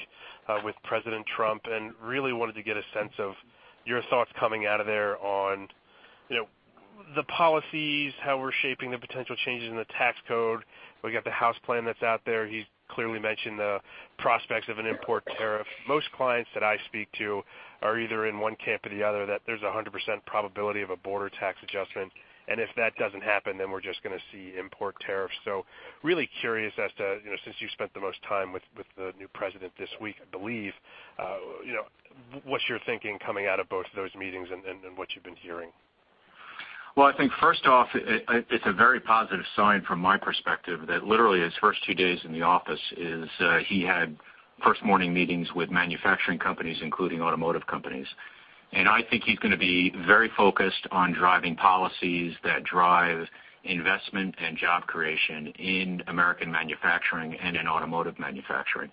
with President Trump and really wanted to get a sense of your thoughts coming out of there on the policies, how we're shaping the potential changes in the tax code. We got the House plan that's out there. He clearly mentioned the prospects of an import tariff. Most clients that I speak to are either in one camp or the other, that there's 100% probability of a border tax adjustment, and if that doesn't happen, then we're just going to see import tariffs. Really curious as to, since you spent the most time with the new president this week, I believe, what's your thinking coming out of both those meetings and what you've been hearing? I think first off, it's a very positive sign from my perspective that literally his first two days in the office is he had first-morning meetings with manufacturing companies, including automotive companies. I think he's going to be very focused on driving policies that drive investment and job creation in American manufacturing and in automotive manufacturing.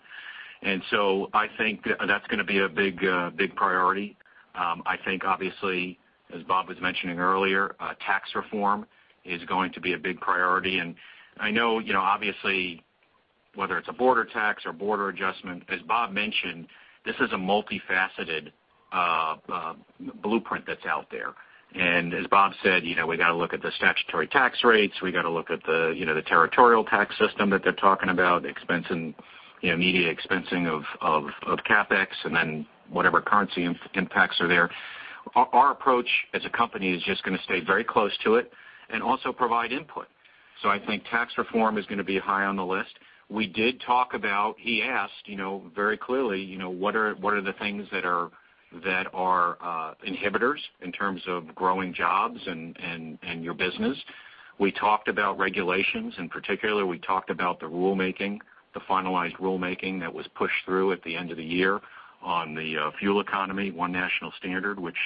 I think that's going to be a big priority. I think, obviously, as Bob was mentioning earlier, tax reform is going to be a big priority. I know, obviously, whether it's a border tax or border adjustment, as Bob mentioned, this is a multifaceted blueprint that's out there. As Bob said, we got to look at the statutory tax rates. We got to look at the territorial tax system that they're talking about, immediate expensing of CapEx, and then whatever currency impacts are there. Our approach as a company is just going to stay very close to it and also provide input. I think tax reform is going to be high on the list. We did talk about, he asked very clearly, what are the things that are inhibitors in terms of growing jobs and your business? We talked about regulations, and particularly, we talked about the rulemaking, the finalized rulemaking that was pushed through at the end of the year on the fuel economy, one national standard, which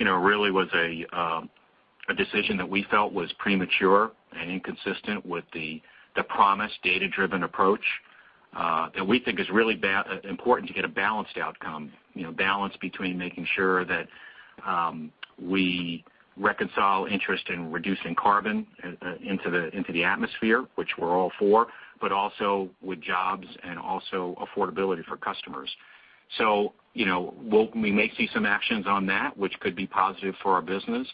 really was a decision that we felt was premature and inconsistent with the promised data-driven approach that we think is really important to get a balanced outcome, balance between making sure that we reconcile interest in reducing carbon into the atmosphere, which we're all for, but also with jobs and also affordability for customers. We may see some actions on that, which could be positive for our business.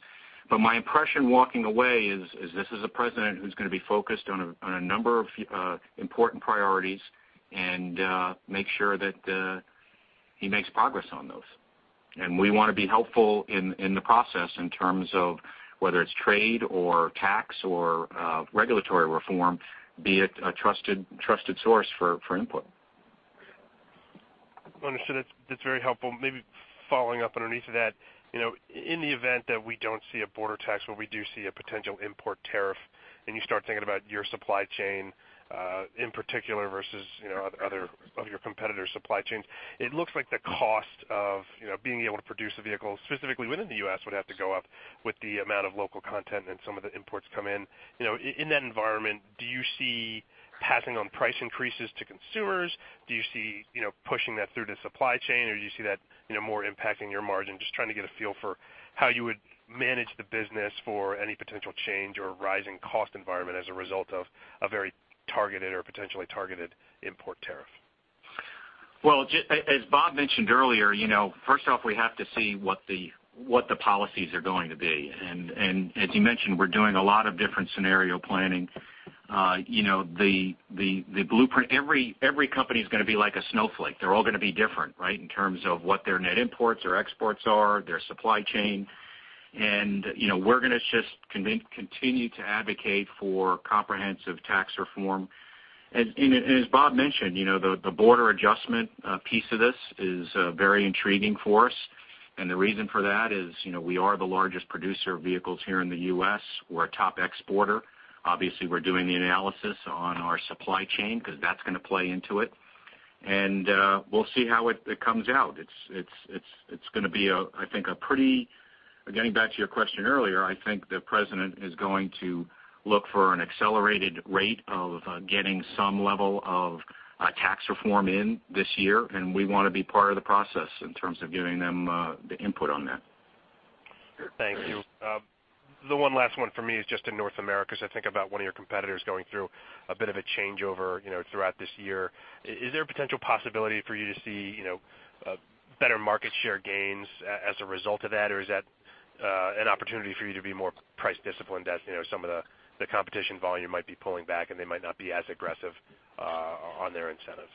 My impression walking away is this is a president who's going to be focused on a number of important priorities and make sure that he makes progress on those. We want to be helpful in the process in terms of whether it's trade or tax or regulatory reform, be it a trusted source for input. Understood. That's very helpful. Maybe following up underneath of that, in the event that we don't see a border tax, but we do see a potential import tariff, and you start thinking about your supply chain, in particular versus other of your competitors' supply chains, it looks like the cost of being able to produce a vehicle specifically within the U.S. would have to go up with the amount of local content and some of the imports come in. In that environment, do you see passing on price increases to consumers? Do you see pushing that through to supply chain? Do you see that more impacting your margin? Just trying to get a feel for how you would manage the business for any potential change or rising cost environment as a result of a very targeted or potentially targeted import tariff. Well, as Bob mentioned earlier, first off, we have to see what the policies are going to be. As you mentioned, we're doing a lot of different scenario planning. The blueprint, every company is going to be like a snowflake. They're all going to be different, right, in terms of what their net imports or exports are, their supply chain. We're going to just continue to advocate for comprehensive tax reform. As Bob mentioned, the border adjustment piece of this is very intriguing for us. The reason for that is we are the largest producer of vehicles here in the U.S. We're a top exporter. Obviously, we're doing the analysis on our supply chain because that's going to play into it. We'll see how it comes out. It's going to be, I think, getting back to your question earlier, I think the president is going to look for an accelerated rate of getting some level of tax reform in this year, and we want to be part of the process in terms of giving them the input on that. Thank you. The one last one for me is just in North America as I think about one of your competitors going through a bit of a changeover throughout this year. Is there a potential possibility for you to see better market share gains as a result of that? Is that an opportunity for you to be more price disciplined as some of the competition volume might be pulling back and they might not be as aggressive on their incentives?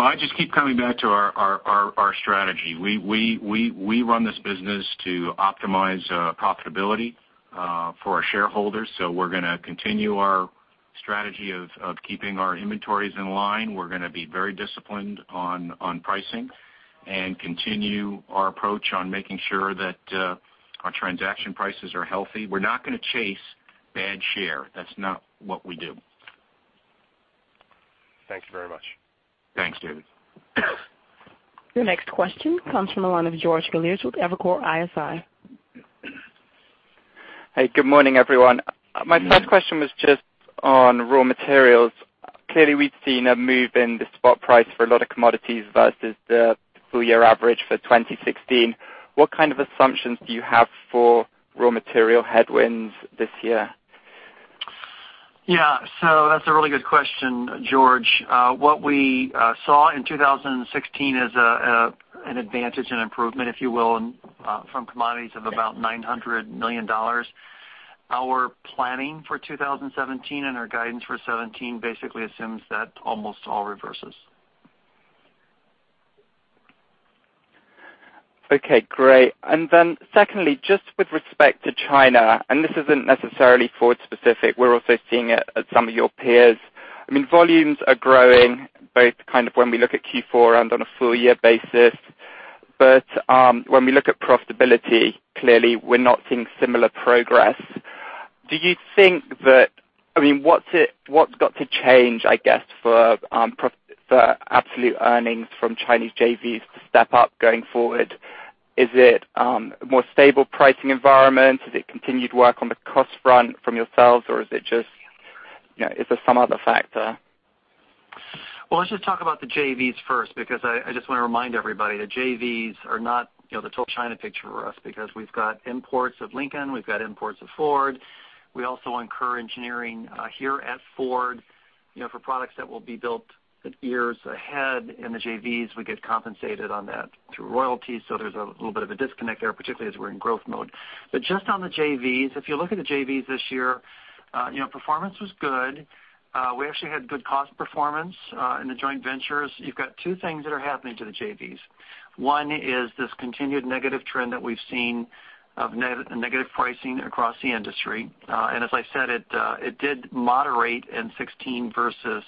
Well, I just keep coming back to our strategy. We run this business to optimize profitability for our shareholders. We're going to continue our strategy of keeping our inventories in line. We're going to be very disciplined on pricing and continue our approach on making sure that our transaction prices are healthy. We're not going to chase bad share. That's not what we do. Thanks very much. Thanks, David. Your next question comes from the line of George Galliers with Evercore ISI. Hey, good morning, everyone. My first question was just on raw materials. Clearly, we've seen a move in the spot price for a lot of commodities versus the full-year average for 2016. What kind of assumptions do you have for raw material headwinds this year? That's a really good question, George. What we saw in 2016 is an advantage and improvement, if you will, from commodities of about $900 million. Our planning for 2017 and our guidance for 2017 basically assumes that almost all reverses. Okay, great. Secondly, just with respect to China, and this isn't necessarily Ford specific, we're also seeing it at some of your peers. Volumes are growing both kind of when we look at Q4 and on a full-year basis. When we look at profitability, clearly we're not seeing similar progress. What's got to change, I guess, for absolute earnings from Chinese JVs to step up going forward? Is it a more stable pricing environment? Is it continued work on the cost front from yourselves, or is it some other factor? Well, let's just talk about the JVs first, because I just want to remind everybody, the JVs are not the total China picture for us because we've got imports of Lincoln, we've got imports of Ford. We also incur engineering here at Ford for products that will be built years ahead. In the JVs, we get compensated on that through royalties. There's a little bit of a disconnect there, particularly as we're in growth mode. Just on the JVs, if you look at the JVs this year, performance was good. We actually had good cost performance in the joint ventures. You've got two things that are happening to the JVs. One is this continued negative trend that we've seen of negative pricing across the industry. As I said, it did moderate in 2016 versus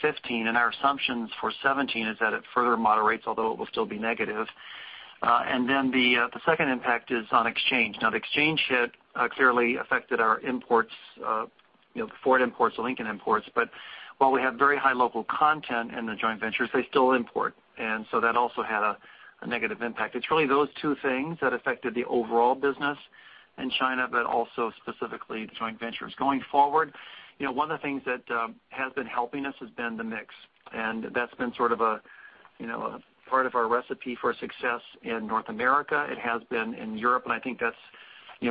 2015, and our assumptions for 2017 is that it further moderates, although it will still be negative. The second impact is on exchange. Now, the exchange hit clearly affected our imports, the Ford imports, the Lincoln imports. While we have very high local content in the joint ventures, they still import. That also had a negative impact. It's really those two things that affected the overall business in China, but also specifically the joint ventures. Going forward, one of the things that has been helping us has been the mix, and that's been sort of a part of our recipe for success in North America. It has been in Europe, and I think that's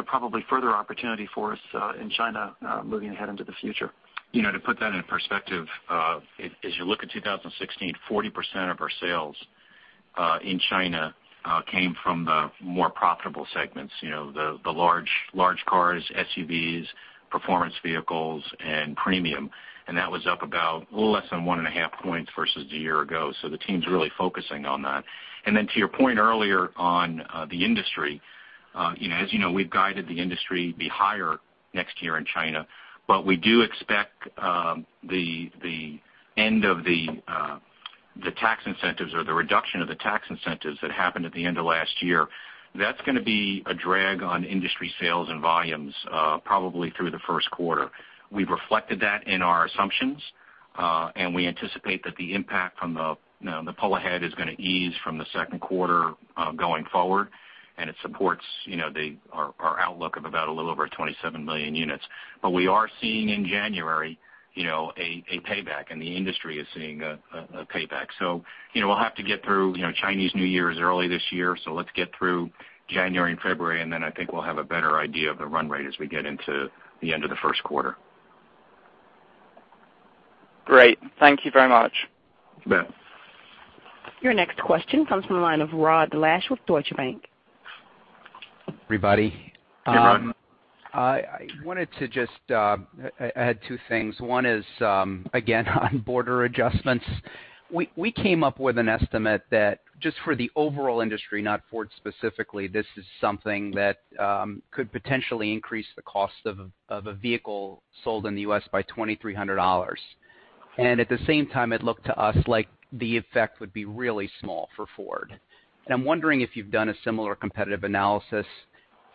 probably further opportunity for us in China moving ahead into the future. To put that in perspective, as you look at 2016, 40% of our sales in China came from the more profitable segments. The large cars, SUVs, performance vehicles, and premium. That was up about a little less than one and a half points versus the year ago. The team's really focusing on that. To your point earlier on the industry, as you know, we've guided the industry to be higher next year in China, we do expect the end of the tax incentives or the reduction of the tax incentives that happened at the end of last year. That's going to be a drag on industry sales and volumes, probably through the first quarter. We've reflected that in our assumptions, and we anticipate that the impact from the pull ahead is going to ease from the second quarter going forward. It supports our outlook of about a little over 27 million units. We are seeing in January a payback and the industry is seeing a payback. We'll have to get through, Chinese New Year is early this year, let's get through January and February, I think we'll have a better idea of the run rate as we get into the end of the first quarter. Great. Thank you very much. You bet. Your next question comes from the line of Rod Lache with Deutsche Bank. Everybody. Hey, Rod. I wanted to just add two things. One is, again, on border adjustments. We came up with an estimate that just for the overall industry, not Ford specifically, this is something that could potentially increase the cost of a vehicle sold in the U.S. by $2,300. At the same time, it looked to us like the effect would be really small for Ford. I'm wondering if you've done a similar competitive analysis.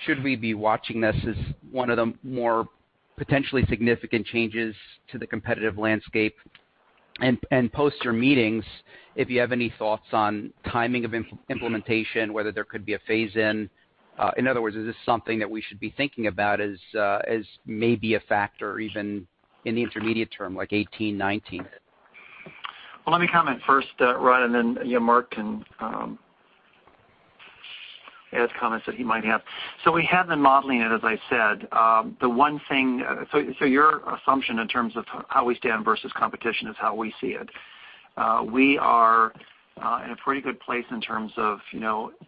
Should we be watching this as one of the more potentially significant changes to the competitive landscape? Post your meetings, if you have any thoughts on timing of implementation, whether there could be a phase-in. In other words, is this something that we should be thinking about as maybe a factor even in the intermediate term, like 2018, 2019? Well, let me comment first, Rod, Mark can add comments that he might have. We have been modeling it, as I said. Your assumption in terms of how we stand versus competition is how we see it. We are in a pretty good place in terms of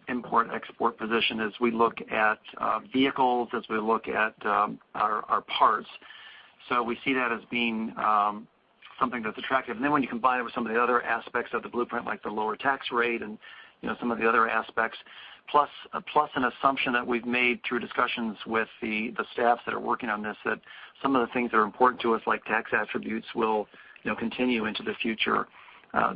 import-export position as we look at vehicles, as we look at our parts. We see that as being something that's attractive. When you combine it with some of the other aspects of the blueprint, like the lower tax rate and some of the other aspects, plus an assumption that we've made through discussions with the staffs that are working on this, that some of the things that are important to us, like tax attributes, will continue into the future.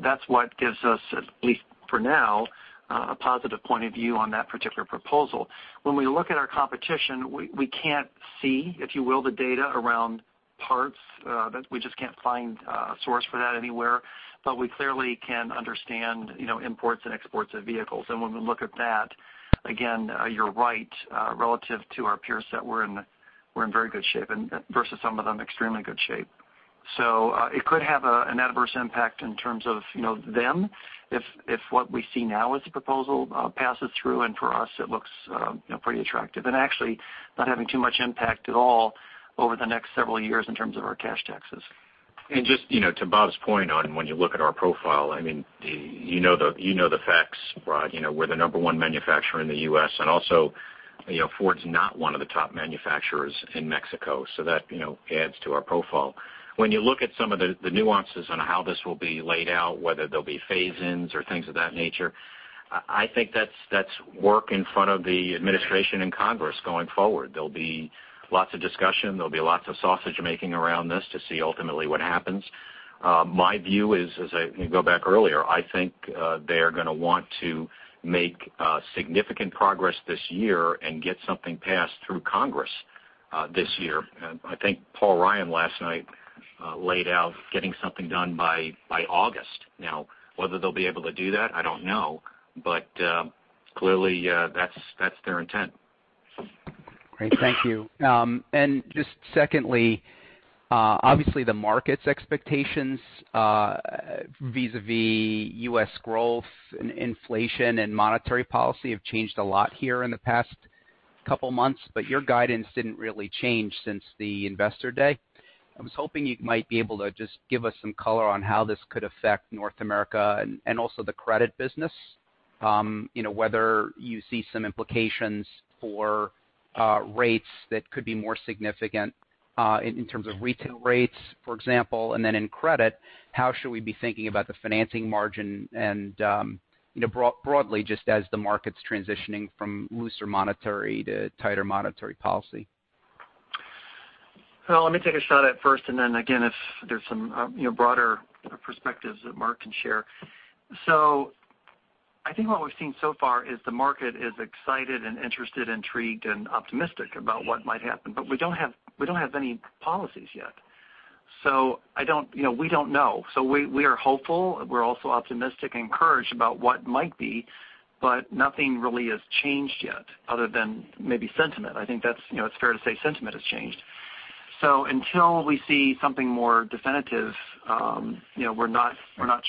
That's what gives us, at least for now, a positive point of view on that particular proposal. When we look at our competition, we can't see, if you will, the data around parts. We just can't find a source for that anywhere. We clearly can understand imports and exports of vehicles. When we look at that, again, you're right, relative to our peers that we're in very good shape and versus some of them, extremely good shape. It could have an adverse impact in terms of them if what we see now as a proposal passes through, and for us, it looks pretty attractive. Actually not having too much impact at all over the next several years in terms of our cash taxes. Just to Bob's point on when you look at our profile, you know the facts, Rod. We're the number 1 manufacturer in the U.S., and also Ford's not one of the top manufacturers in Mexico, so that adds to our profile. When you look at some of the nuances on how this will be laid out, whether there'll be phase-ins or things of that nature, I think that's work in front of the administration and Congress going forward. There'll be lots of discussion. There'll be lots of sausage-making around this to see ultimately what happens. My view is, as I go back earlier, I think they are going to want to make significant progress this year and get something passed through Congress this year. I think Paul Ryan last night laid out getting something done by August. Whether they'll be able to do that, I don't know. Clearly, that's their intent. Great. Thank you. Just secondly, obviously the market's expectations vis-a-vis U.S. growth and inflation and monetary policy have changed a lot here in the past couple of months, but your guidance didn't really change since the investor day. I was hoping you might be able to just give us some color on how this could affect North America and also the credit business. Whether you see some implications for rates that could be more significant in terms of retail rates, for example. Then in credit, how should we be thinking about the financing margin and broadly just as the market's transitioning from looser monetary to tighter monetary policy? Well, let me take a shot at first, then again, if there's some broader perspectives that Mark can share. I think what we've seen so far is the market is excited and interested, intrigued and optimistic about what might happen. We don't have any policies yet. We don't know. We are hopeful. We're also optimistic and encouraged about what might be, but nothing really has changed yet other than maybe sentiment. I think it's fair to say sentiment has changed. Until we see something more definitive, we're not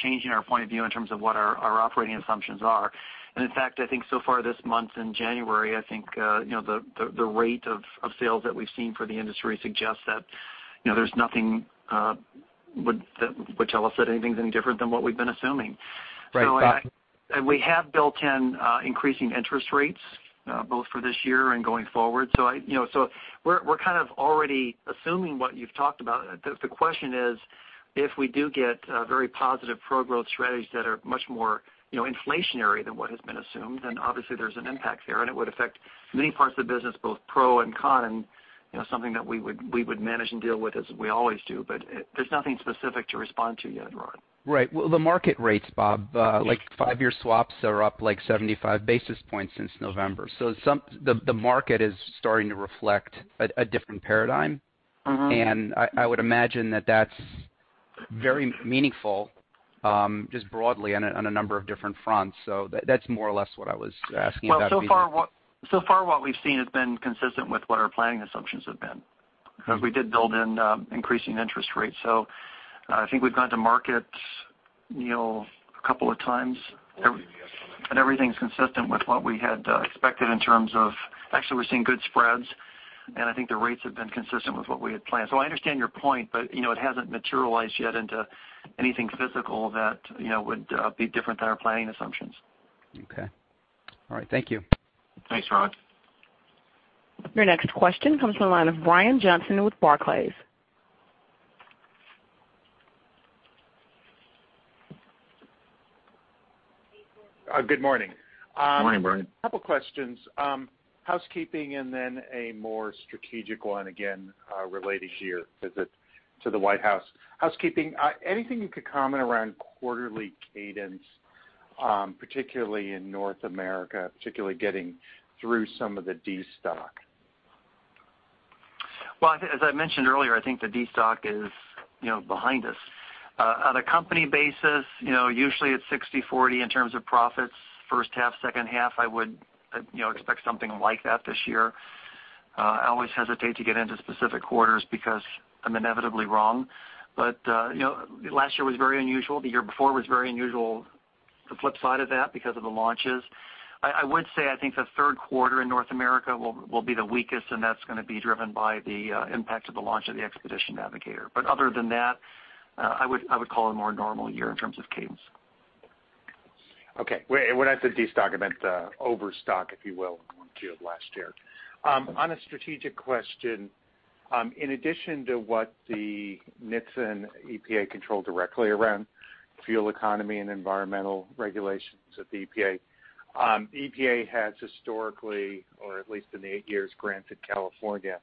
changing our point of view in terms of what our operating assumptions are. In fact, I think so far this month in January, I think the rate of sales that we've seen for the industry suggests that there's nothing would tell us that anything's any different than what we've been assuming. Right. We have built in increasing interest rates both for this year and going forward. We're kind of already assuming what you've talked about. The question is, if we do get very positive pro-growth strategies that are much more inflationary than what has been assumed, obviously there's an impact there. It would affect many parts of the business, both pro and con, something that we would manage and deal with as we always do. There's nothing specific to respond to yet, Rod. Right. Well, the market rates, Bob, like five-year swaps are up like 75 basis points since November. The market is starting to reflect a different paradigm. I would imagine that that's very meaningful, just broadly on a number of different fronts. That's more or less what I was asking about. Well, so far what we've seen has been consistent with what our planning assumptions have been, because we did build in increasing interest rates. I think we've gone to market a couple of times, and everything's consistent with what we had expected in terms of-- actually, we're seeing good spreads, and I think the rates have been consistent with what we had planned. I understand your point, but it hasn't materialized yet into anything physical that would be different than our planning assumptions. Okay. All right, thank you. Thanks, Ron. Your next question comes from the line of Brian Johnson with Barclays. Good morning. Morning, Brian. A couple questions. Housekeeping and then a more strategic one, again, related to your visit to the White House. Housekeeping, anything you could comment around quarterly cadence, particularly in North America, particularly getting through some of the destock? Well, as I mentioned earlier, I think the destock is behind us. On a company basis, usually it's 60/40 in terms of profits, first half, second half. I would expect something like that this year. I always hesitate to get into specific quarters because I'm inevitably wrong. Last year was very unusual. The year before was very unusual, the flip side of that because of the launches. I would say I think the third quarter in North America will be the weakest, and that's going to be driven by the impact of the launch of the Expedition Navigator. Other than that, I would call it a more normal year in terms of cadence. Okay. When I say destock, I meant overstock, if you will, Q of last year. On a strategic question, in addition to what the NHTSA and EPA control directly around fuel economy and environmental regulations at the EPA has historically, or at least in the eight years, granted California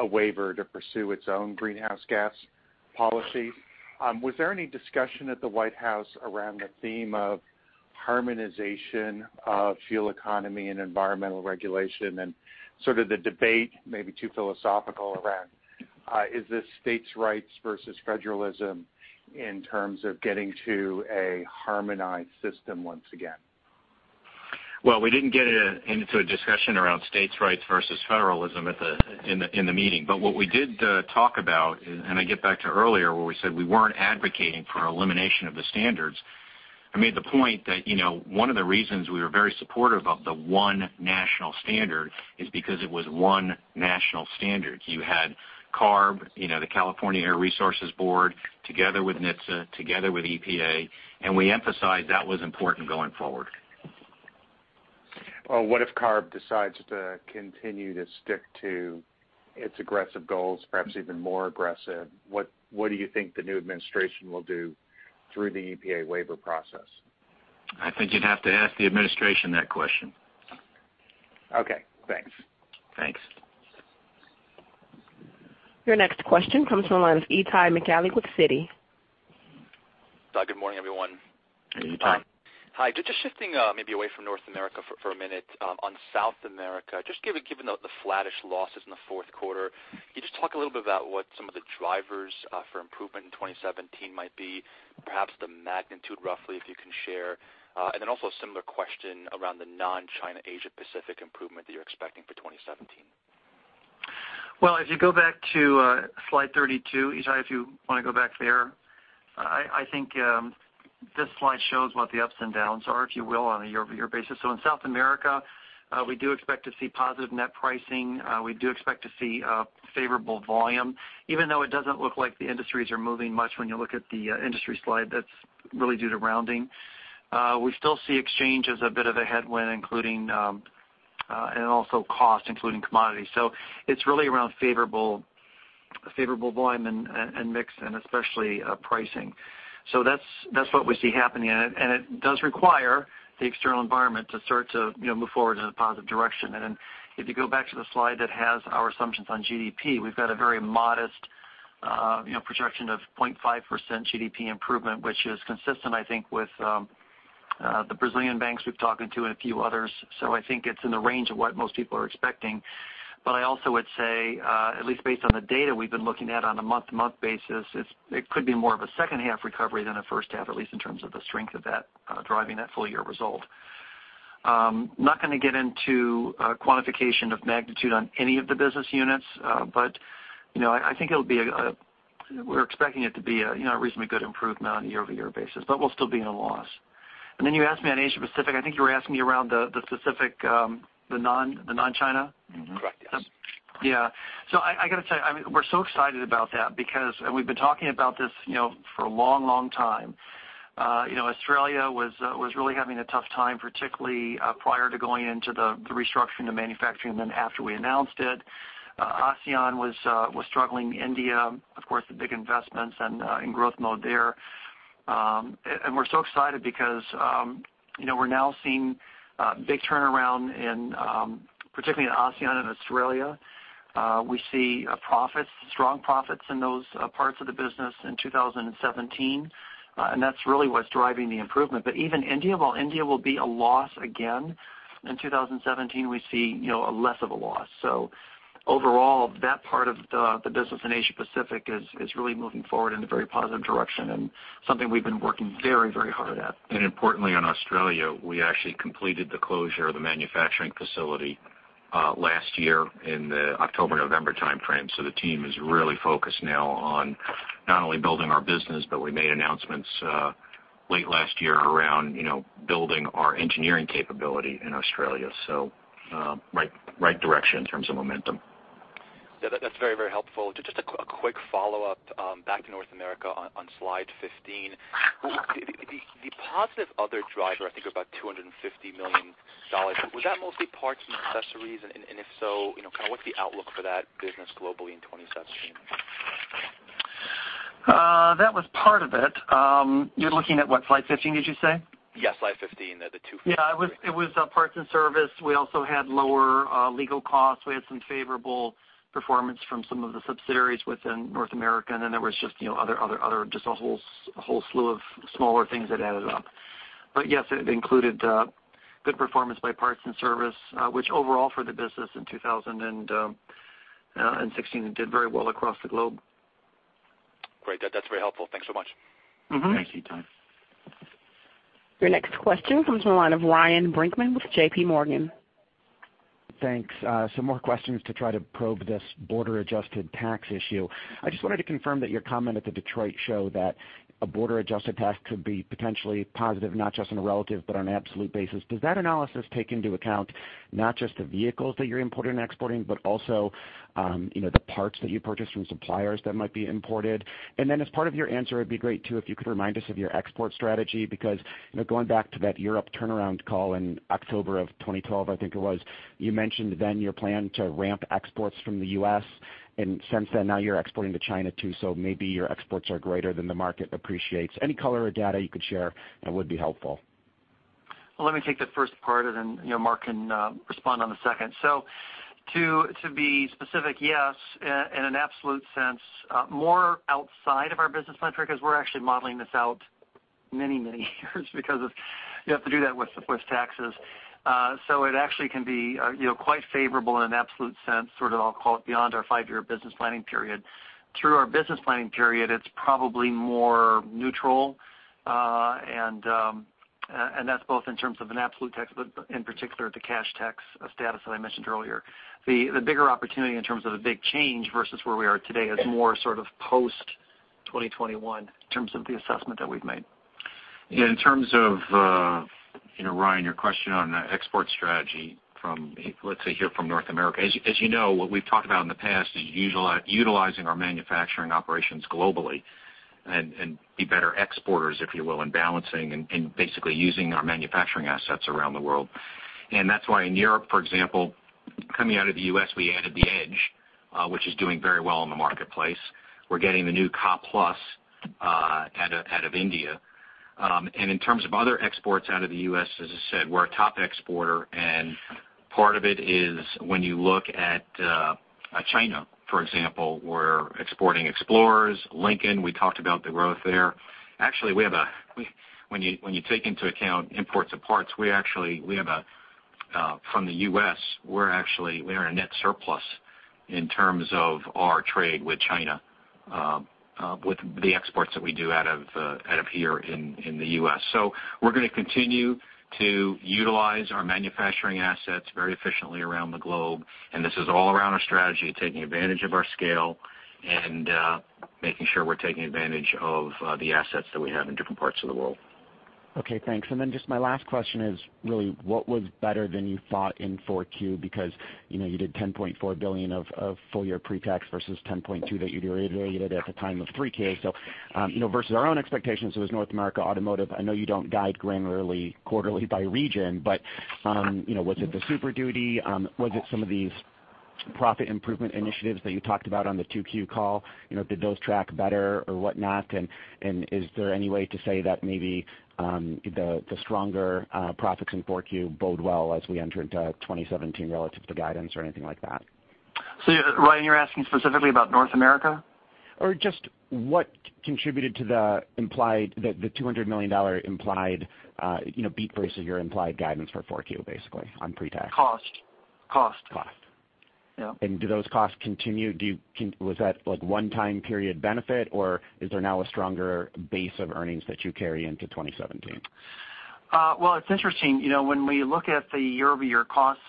a waiver to pursue its own greenhouse gas policy. Was there any discussion at the White House around the theme of harmonization of fuel economy and environmental regulation and sort of the debate, maybe too philosophical, around is this states' rights versus federalism in terms of getting to a harmonized system once again? Well, we didn't get into a discussion around states' rights versus federalism in the meeting. What we did talk about, and I get back to earlier where we said we weren't advocating for elimination of the standards, I made the point that one of the reasons we were very supportive of the one national standard is because it was one national standard. You had CARB, the California Air Resources Board, together with NHTSA, together with EPA, and we emphasized that was important going forward. Well, what if CARB decides to continue to stick to its aggressive goals, perhaps even more aggressive? What do you think the new administration will do through the EPA waiver process? I think you'd have to ask the administration that question. Okay. Thanks. Thanks. Your next question comes from the line of Itay Michaeli with Citi. Good morning, everyone. Hey, Itay. Hi. Just shifting maybe away from North America for a minute. On South America, just given the flattish losses in the fourth quarter, can you just talk a little bit about what some of the drivers for improvement in 2017 might be, perhaps the magnitude roughly, if you can share? Also a similar question around the non-China Asia Pacific improvement that you're expecting for 2017. Well, if you go back to slide 32, Itay, if you want to go back there, I think this slide shows what the ups and downs are, if you will, on a year-over-year basis. In South America, we do expect to see positive net pricing. We do expect to see favorable volume. Even though it doesn't look like the industries are moving much when you look at the industry slide, that's really due to rounding. We still see exchange as a bit of a headwind and also cost, including commodities. It's really around favorable volume and mix, and especially pricing. That's what we see happening, and it does require the external environment to start to move forward in a positive direction. If you go back to the slide that has our assumptions on GDP, we've got a very modest projection of 0.5% GDP improvement, which is consistent, I think, with the Brazilian banks we've talked to and a few others. I think it's in the range of what most people are expecting. I also would say, at least based on the data we've been looking at on a month-to-month basis, it could be more of a second half recovery than a first half, at least in terms of the strength of that driving that full-year result. I'm not going to get into quantification of magnitude on any of the business units. I think we're expecting it to be a reasonably good improvement on a year-over-year basis, but we'll still be in a loss. You asked me on Asia Pacific, I think you were asking me around the specific, the non-China? Correct, yes. Yeah. I got to tell you, we're so excited about that because we've been talking about this for a long time. Australia was really having a tough time, particularly prior to going into the restructuring of manufacturing than after we announced it. ASEAN was struggling. India, of course, the big investments and in growth mode there. We're so excited because we're now seeing a big turnaround particularly in ASEAN and Australia. We see strong profits in those parts of the business in 2017, and that's really what's driving the improvement. Even India, while India will be a loss again in 2017, we see a less of a loss. Overall, that part of the business in Asia Pacific is really moving forward in a very positive direction and something we've been working very hard at. Importantly, on Australia, we actually completed the closure of the manufacturing facility last year in the October, November timeframe. The team is really focused now on not only building our business, but we made announcements late last year around building our engineering capability in Australia. Right direction in terms of momentum. Yeah, that's very helpful. Just a quick follow-up, back to North America on slide 15. The positive other driver, I think, was about $250 million. Was that mostly parts and accessories? If so, what's the outlook for that business globally in 2017? That was part of it. You're looking at what slide 15, did you say? Yes, slide 15. The $250. Yeah, it was parts and service. We also had lower legal costs. We had some favorable performance from some of the subsidiaries within North America. There was just a whole slew of smaller things that added up. Yes, it included good performance by parts and service, which overall for the business in 2016, it did very well across the globe. Great. That's very helpful. Thanks so much. Thank you, Itay. Your next question comes from the line of Ryan Brinkman with JP Morgan. Thanks. Some more questions to try to probe this border-adjusted tax issue. I just wanted to confirm that your comment at the Detroit show that a border-adjusted tax could be potentially positive, not just on a relative but on an absolute basis. Does that analysis take into account not just the vehicles that you're importing and exporting, but also the parts that you purchase from suppliers that might be imported? Then as part of your answer, it'd be great, too, if you could remind us of your export strategy, because going back to that Europe turnaround call in October of 2012, I think it was, you mentioned then your plan to ramp exports from the U.S. Since then, now you're exporting to China, too, so maybe your exports are greater than the market appreciates. Any color or data you could share would be helpful. Let me take the first part. Mark can respond on the second. To be specific, yes, in an absolute sense, more outside of our business metric as we're actually modeling this out many years because you have to do that with taxes. It actually can be quite favorable in an absolute sense, sort of, I'll call it beyond our 5-year business planning period. Through our business planning period, it's probably more neutral. That's both in terms of an absolute tax, but in particular, the cash tax status that I mentioned earlier. The bigger opportunity in terms of the big change versus where we are today is more sort of post 2021 in terms of the assessment that we've made. In terms of, Ryan, your question on export strategy from, let's say here from North America. You know, what we've talked about in the past is utilizing our manufacturing operations globally and be better exporters, if you will, in balancing and basically using our manufacturing assets around the world. That's why in Europe, for example, coming out of the U.S., we added the Edge, which is doing very well in the marketplace. We're getting the new EcoSport out of India. In terms of other exports out of the U.S., as I said, we're a top exporter, and part of it is when you look at China, for example, we're exporting Explorers, Lincoln, we talked about the growth there. Actually, when you take into account imports of parts from the U.S., we're in a net surplus in terms of our trade with China with the exports that we do out of here in the U.S. We're going to continue to utilize our manufacturing assets very efficiently around the globe. This is all around our strategy of taking advantage of our scale and making sure we're taking advantage of the assets that we have in different parts of the world. Okay, thanks. Just my last question is really what was better than you thought in Q4 because you did $10.4 billion of full-year pre-tax versus $10.2 that you'd reiterated at the time of 3Q. Versus our own expectations, it was North America Automotive. I know you don't guide granularly quarterly by region, but was it the Super Duty? Was it some of these profit improvement initiatives that you talked about on the Q2 call? Did those track better or whatnot? Is there any way to say that maybe the stronger profits in Q4 bode well as we enter into 2017 relative to guidance or anything like that? Ryan, you're asking specifically about North America? Just what contributed to the $200 million implied beat versus your implied guidance for Q4 basically on pre-tax. Cost. Cost. Do those costs continue? Was that one time period benefit, or is there now a stronger base of earnings that you carry into 2017? Well, it's interesting. When we look at the year-over-year cost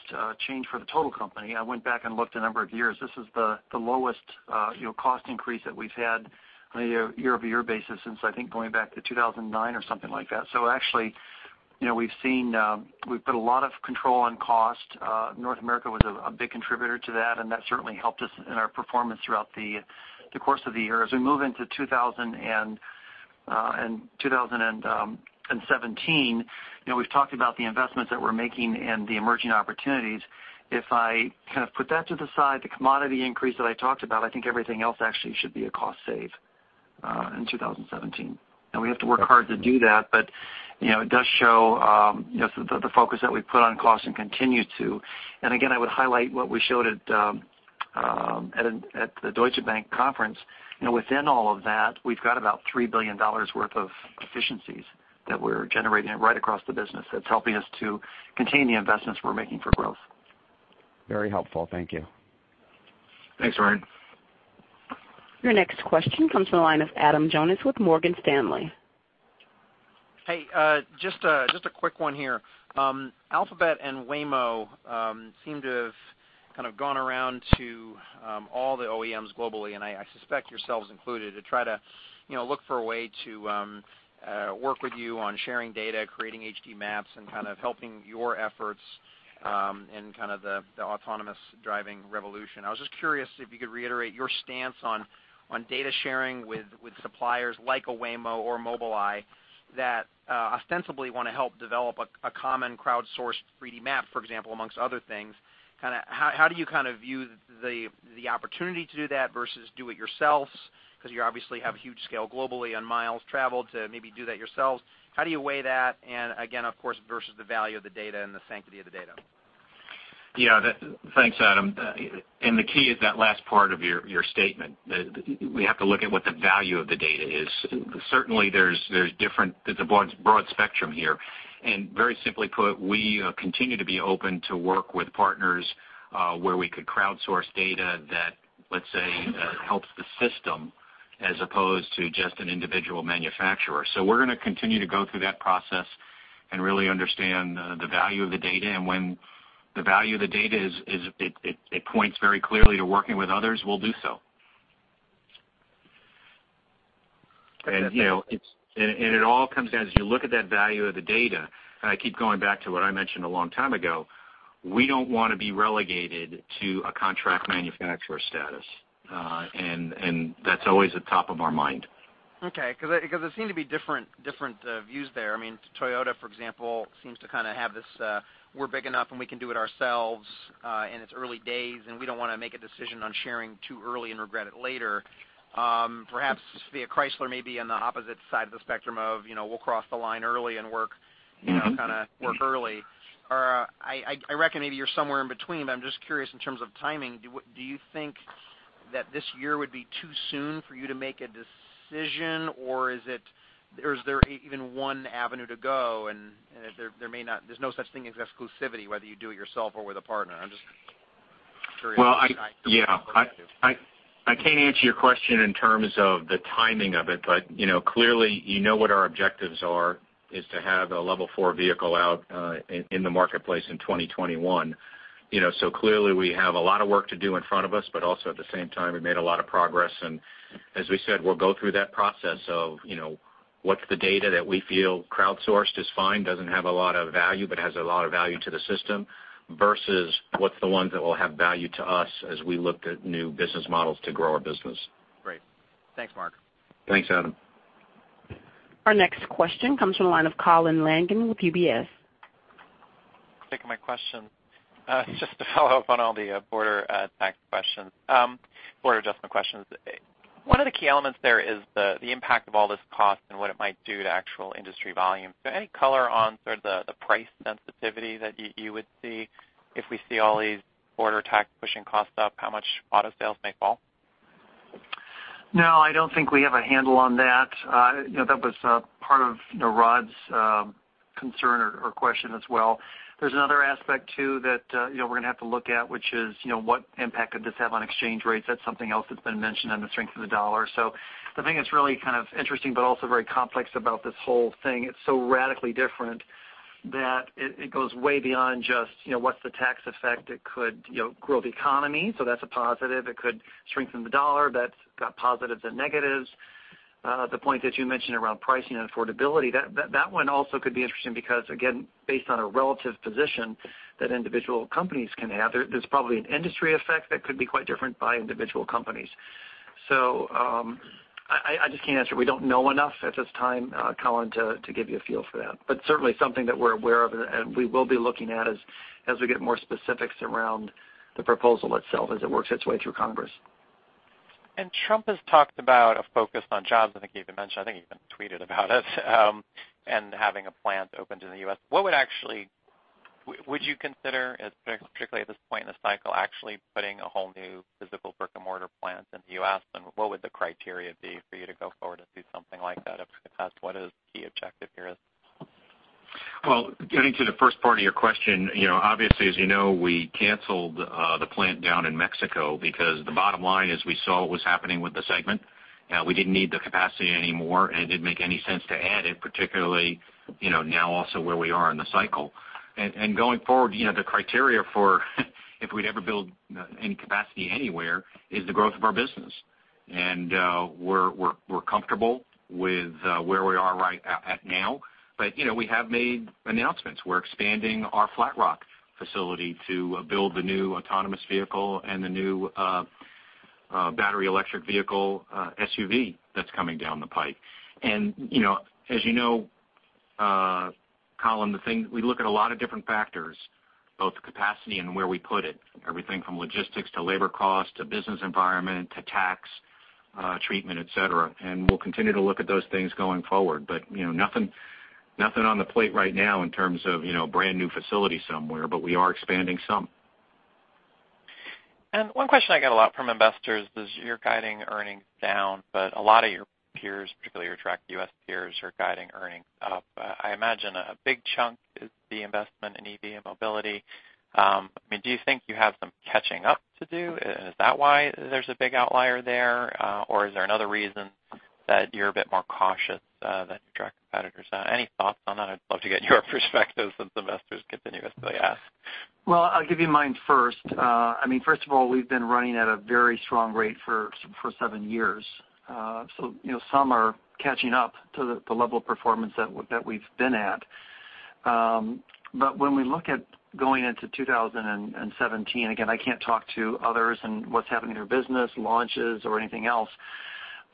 change for the total company, I went back and looked a number of years, this is the lowest cost increase that we've had on a year-over-year basis since I think going back to 2009 or something like that. Actually, we've put a lot of control on cost. North America was a big contributor to that, and that certainly helped us in our performance throughout the course of the year. As we move into 2017, we've talked about the investments that we're making and the emerging opportunities. If I put that to the side, the commodity increase that I talked about, I think everything else actually should be a cost save in 2017. We have to work hard to do that, but it does show the focus that we've put on cost and continue to. Again, I would highlight what we showed at the Deutsche Bank conference. Within all of that, we've got about $3 billion worth of efficiencies that we're generating right across the business that's helping us to contain the investments we're making for growth. Very helpful. Thank you. Thanks, Ryan. Your next question comes from the line of Adam Jonas with Morgan Stanley. Just a quick one here. Alphabet and Waymo seem to have gone around to all the OEMs globally, and I suspect yourselves included, to try to look for a way to work with you on sharing data, creating HD maps, and helping your efforts in the autonomous driving revolution. I was just curious if you could reiterate your stance on data sharing with suppliers like a Waymo or Mobileye that ostensibly want to help develop a common crowdsourced 3D map, for example, amongst other things. How do you view the opportunity to do that versus do it yourselves? Because you obviously have a huge scale globally on miles traveled to maybe do that yourselves. How do you weigh that? Again, of course, versus the value of the data and the sanctity of the data. Yeah. Thanks, Adam. The key is that last part of your statement. We have to look at what the value of the data is. Certainly, there's a broad spectrum here, and very simply put, we continue to be open to work with partners, where we could crowdsource data that, let's say, helps the system as opposed to just an individual manufacturer. We're going to continue to go through that process and really understand the value of the data, and when the value of the data points very clearly to working with others, we'll do so. It all comes down, as you look at that value of the data, and I keep going back to what I mentioned a long time ago, we don't want to be relegated to a contract manufacturer status. That's always at the top of our mind. Okay, because there seem to be different views there. Toyota, for example, seems to have this, "We're big enough, and we can do it ourselves, and it's early days, and we don't want to make a decision on sharing too early and regret it later." Perhaps via Chrysler may be on the opposite side of the spectrum of, "We'll cross the line early and work early." I reckon maybe you're somewhere in between, but I'm just curious in terms of timing. Do you think that this year would be too soon for you to make a decision, or is there even one avenue to go, and there's no such thing as exclusivity, whether you do it yourself or with a partner? I'm just curious. Well, yeah. I can't answer your question in terms of the timing of it, but clearly, you know what our objectives are, is to have a Level 4 vehicle out in the marketplace in 2021. Clearly, we have a lot of work to do in front of us, but also at the same time, we've made a lot of progress. As we said, we'll go through that process of what's the data that we feel crowdsourced is fine, doesn't have a lot of value, but has a lot of value to the system, versus what's the ones that will have value to us as we look at new business models to grow our business. Great. Thanks, Mark. Thanks, Adam. Our next question comes from the line of Colin Langan with UBS. Thanks for taking my question. Just to follow up on all the border tax questions, border adjustment questions. One of the key elements there is the impact of all this cost and what it might do to actual industry volume. Is there any color on sort of the price sensitivity that you would see if we see all these border tax pushing costs up, how much auto sales may fall? No, I don't think we have a handle on that. That was part of Rod's concern or question as well. There's another aspect, too, that we're going to have to look at, which is what impact could this have on exchange rates? That's something else that's been mentioned on the strength of the dollar. The thing that's really kind of interesting but also very complex about this whole thing, it's so radically different that it goes way beyond just what's the tax effect. It could grow the economy. That's a positive. It could strengthen the dollar. That's got positives and negatives. The point that you mentioned around pricing and affordability, that one also could be interesting because, again, based on a relative position that individual companies can have, there's probably an industry effect that could be quite different by individual companies. I just can't answer. We don't know enough at this time, Colin, to give you a feel for that. Certainly something that we're aware of and we will be looking at as we get more specifics around the proposal itself as it works its way through Congress. Trump has talked about a focus on jobs. I think he even mentioned, I think he even tweeted about it and having a plant opened in the U.S. Would you consider, particularly at this point in the cycle, actually putting a whole new physical brick-and-mortar plant in the U.S., and what would the criteria be for you to go forward and do something like that if, in fact, what his key objective here is? Well, getting to the first part of your question, obviously, as you know, we canceled the plant down in Mexico because the bottom line is we saw what was happening with the segment. We didn't need the capacity anymore, and it didn't make any sense to add it, particularly now also where we are in the cycle. Going forward, the criteria for if we'd ever build any capacity anywhere is the growth of our business. We're comfortable with where we are right at now. We have made announcements. We're expanding our Flat Rock facility to build the new autonomous vehicle and the new battery electric vehicle SUV that's coming down the pipe. As you know, Colin, we look at a lot of different factors, both capacity and where we put it. Everything from logistics, to labor cost, to business environment, to tax treatment, et cetera. We'll continue to look at those things going forward. Nothing on the plate right now in terms of brand-new facility somewhere, we are expanding some. One question I get a lot from investors is you're guiding earnings down, but a lot of your peers, particularly your truck U.S. peers, are guiding earnings up. I imagine a big chunk is the investment in EV and mobility. Do you think you have some catching up to do? Is that why there's a big outlier there? Or is there another reason that you're a bit more cautious than your direct competitors? Any thoughts on that? I'd love to get your perspective since investors continuously ask. Well, I'll give you mine first. First of all, we've been running at a very strong rate for seven years. Some are catching up to the level of performance that we've been at. When we look at going into 2017, again, I can't talk to others and what's happening in their business, launches or anything else,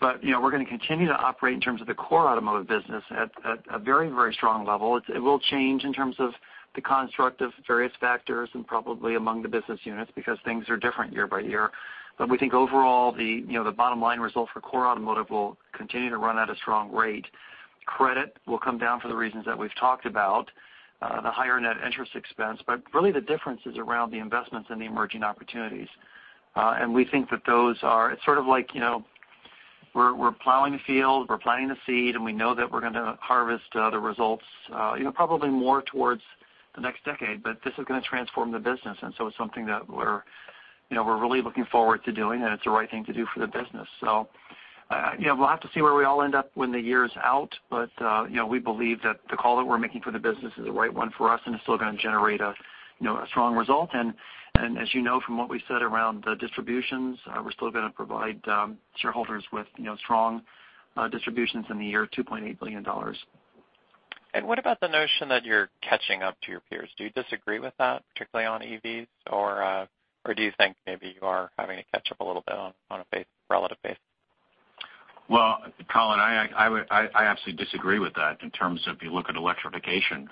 but we're going to continue to operate in terms of the core automotive business at a very strong level. It will change in terms of the construct of various factors and probably among the business units because things are different year by year. We think overall, the bottom-line result for core automotive will continue to run at a strong rate. Credit will come down for the reasons that we've talked about, the higher net interest expense. Really the difference is around the investments in the emerging opportunities. We think that it's sort of like we're plowing the field, we're planting the seed, and we know that we're going to harvest the results probably more towards the next decade. This is going to transform the business, and so it's something that we're really looking forward to doing, and it's the right thing to do for the business. We'll have to see where we all end up when the year is out. We believe that the call that we're making for the business is the right one for us and is still going to generate a strong result. As you know from what we've said around the distributions, we're still going to provide shareholders with strong distributions in the year, $2.8 billion. What about the notion that you're catching up to your peers? Do you disagree with that, particularly on EVs? Or do you think maybe you are having to catch up a little bit on a relative base? Well, Colin, I absolutely disagree with that in terms of you look at electrification.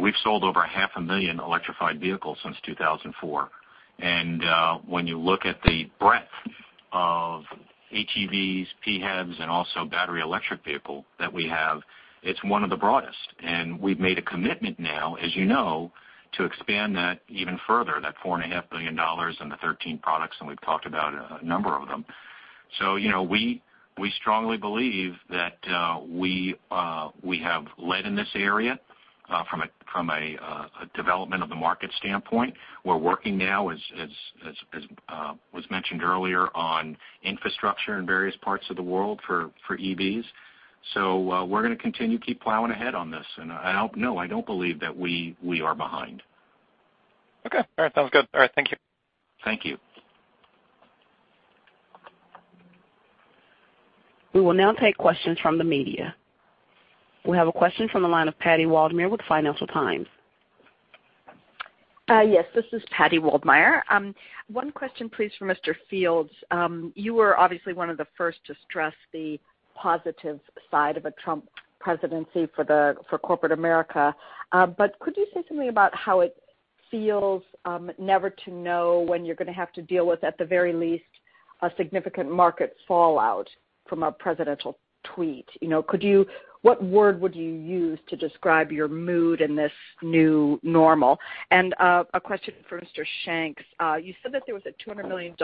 We've sold over half a million electrified vehicles since 2004. When you look at the breadth of HEVs, PHEVs, and also battery electric vehicle that we have, it's one of the broadest. We've made a commitment now, as you know, to expand that even further, that $4.5 billion and the 13 products, and we've talked about a number of them. We strongly believe that we have led in this area from a development of the market standpoint. We're working now, as was mentioned earlier, on infrastructure in various parts of the world for EVs. We're going to continue to keep plowing ahead on this. No, I don't believe that we are behind. Okay. All right, sounds good. All right. Thank you. Thank you. We will now take questions from the media. We have a question from the line of Patti Waldmeir with Financial Times. Yes, this is Patti Waldmeir. One question, please, for Mr. Fields. You were obviously one of the first to stress the positive side of a Trump presidency for corporate America. Could you say something about how it feels never to know when you're going to have to deal with, at the very least, a significant market fallout from a presidential tweet? What word would you use to describe your mood in this new normal? A question for Mr. Shanks. You said that there was a $200 million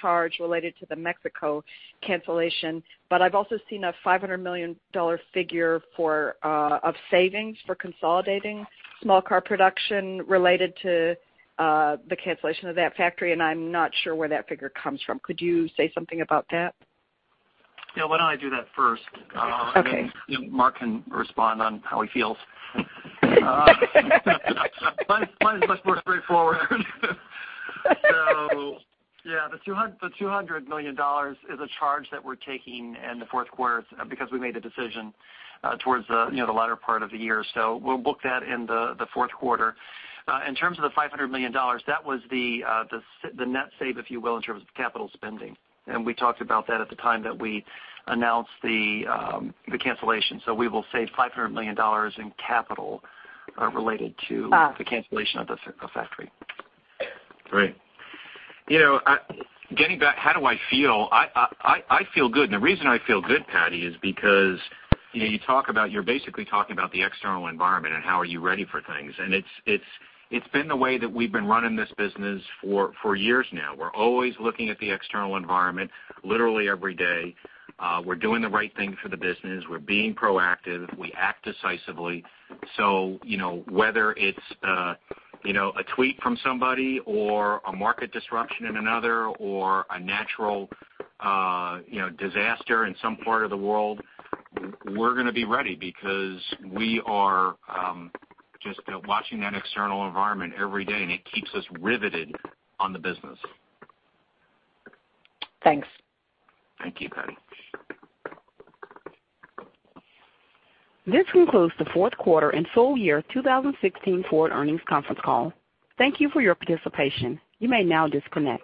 charge related to the Mexico cancellation, but I've also seen a $500 million figure of savings for consolidating small car production related to the cancellation of that factory, and I'm not sure where that figure comes from. Could you say something about that? Yeah, why don't I do that first? Okay. Then Mark can respond on how he feels. Mine is much more straightforward. Yeah, the $200 million is a charge that we're taking in the fourth quarter because we made the decision towards the latter part of the year. We'll book that in the fourth quarter. In terms of the $500 million, that was the net save, if you will, in terms of capital spending. We talked about that at the time that we announced the cancellation. We will save $500 million in capital related to the cancellation of the factory. Great. Getting back, how do I feel? I feel good. The reason I feel good, Patti, is because you're basically talking about the external environment and how are you ready for things. It's been the way that we've been running this business for years now. We're always looking at the external environment literally every day. We're doing the right thing for the business. We're being proactive. We act decisively. Whether it's a tweet from somebody or a market disruption in another or a natural disaster in some part of the world, we're going to be ready because we are just watching that external environment every day, and it keeps us riveted on the business. Thanks. Thank you, Patti. This concludes the fourth quarter and full year 2016 Ford earnings conference call. Thank you for your participation. You may now disconnect.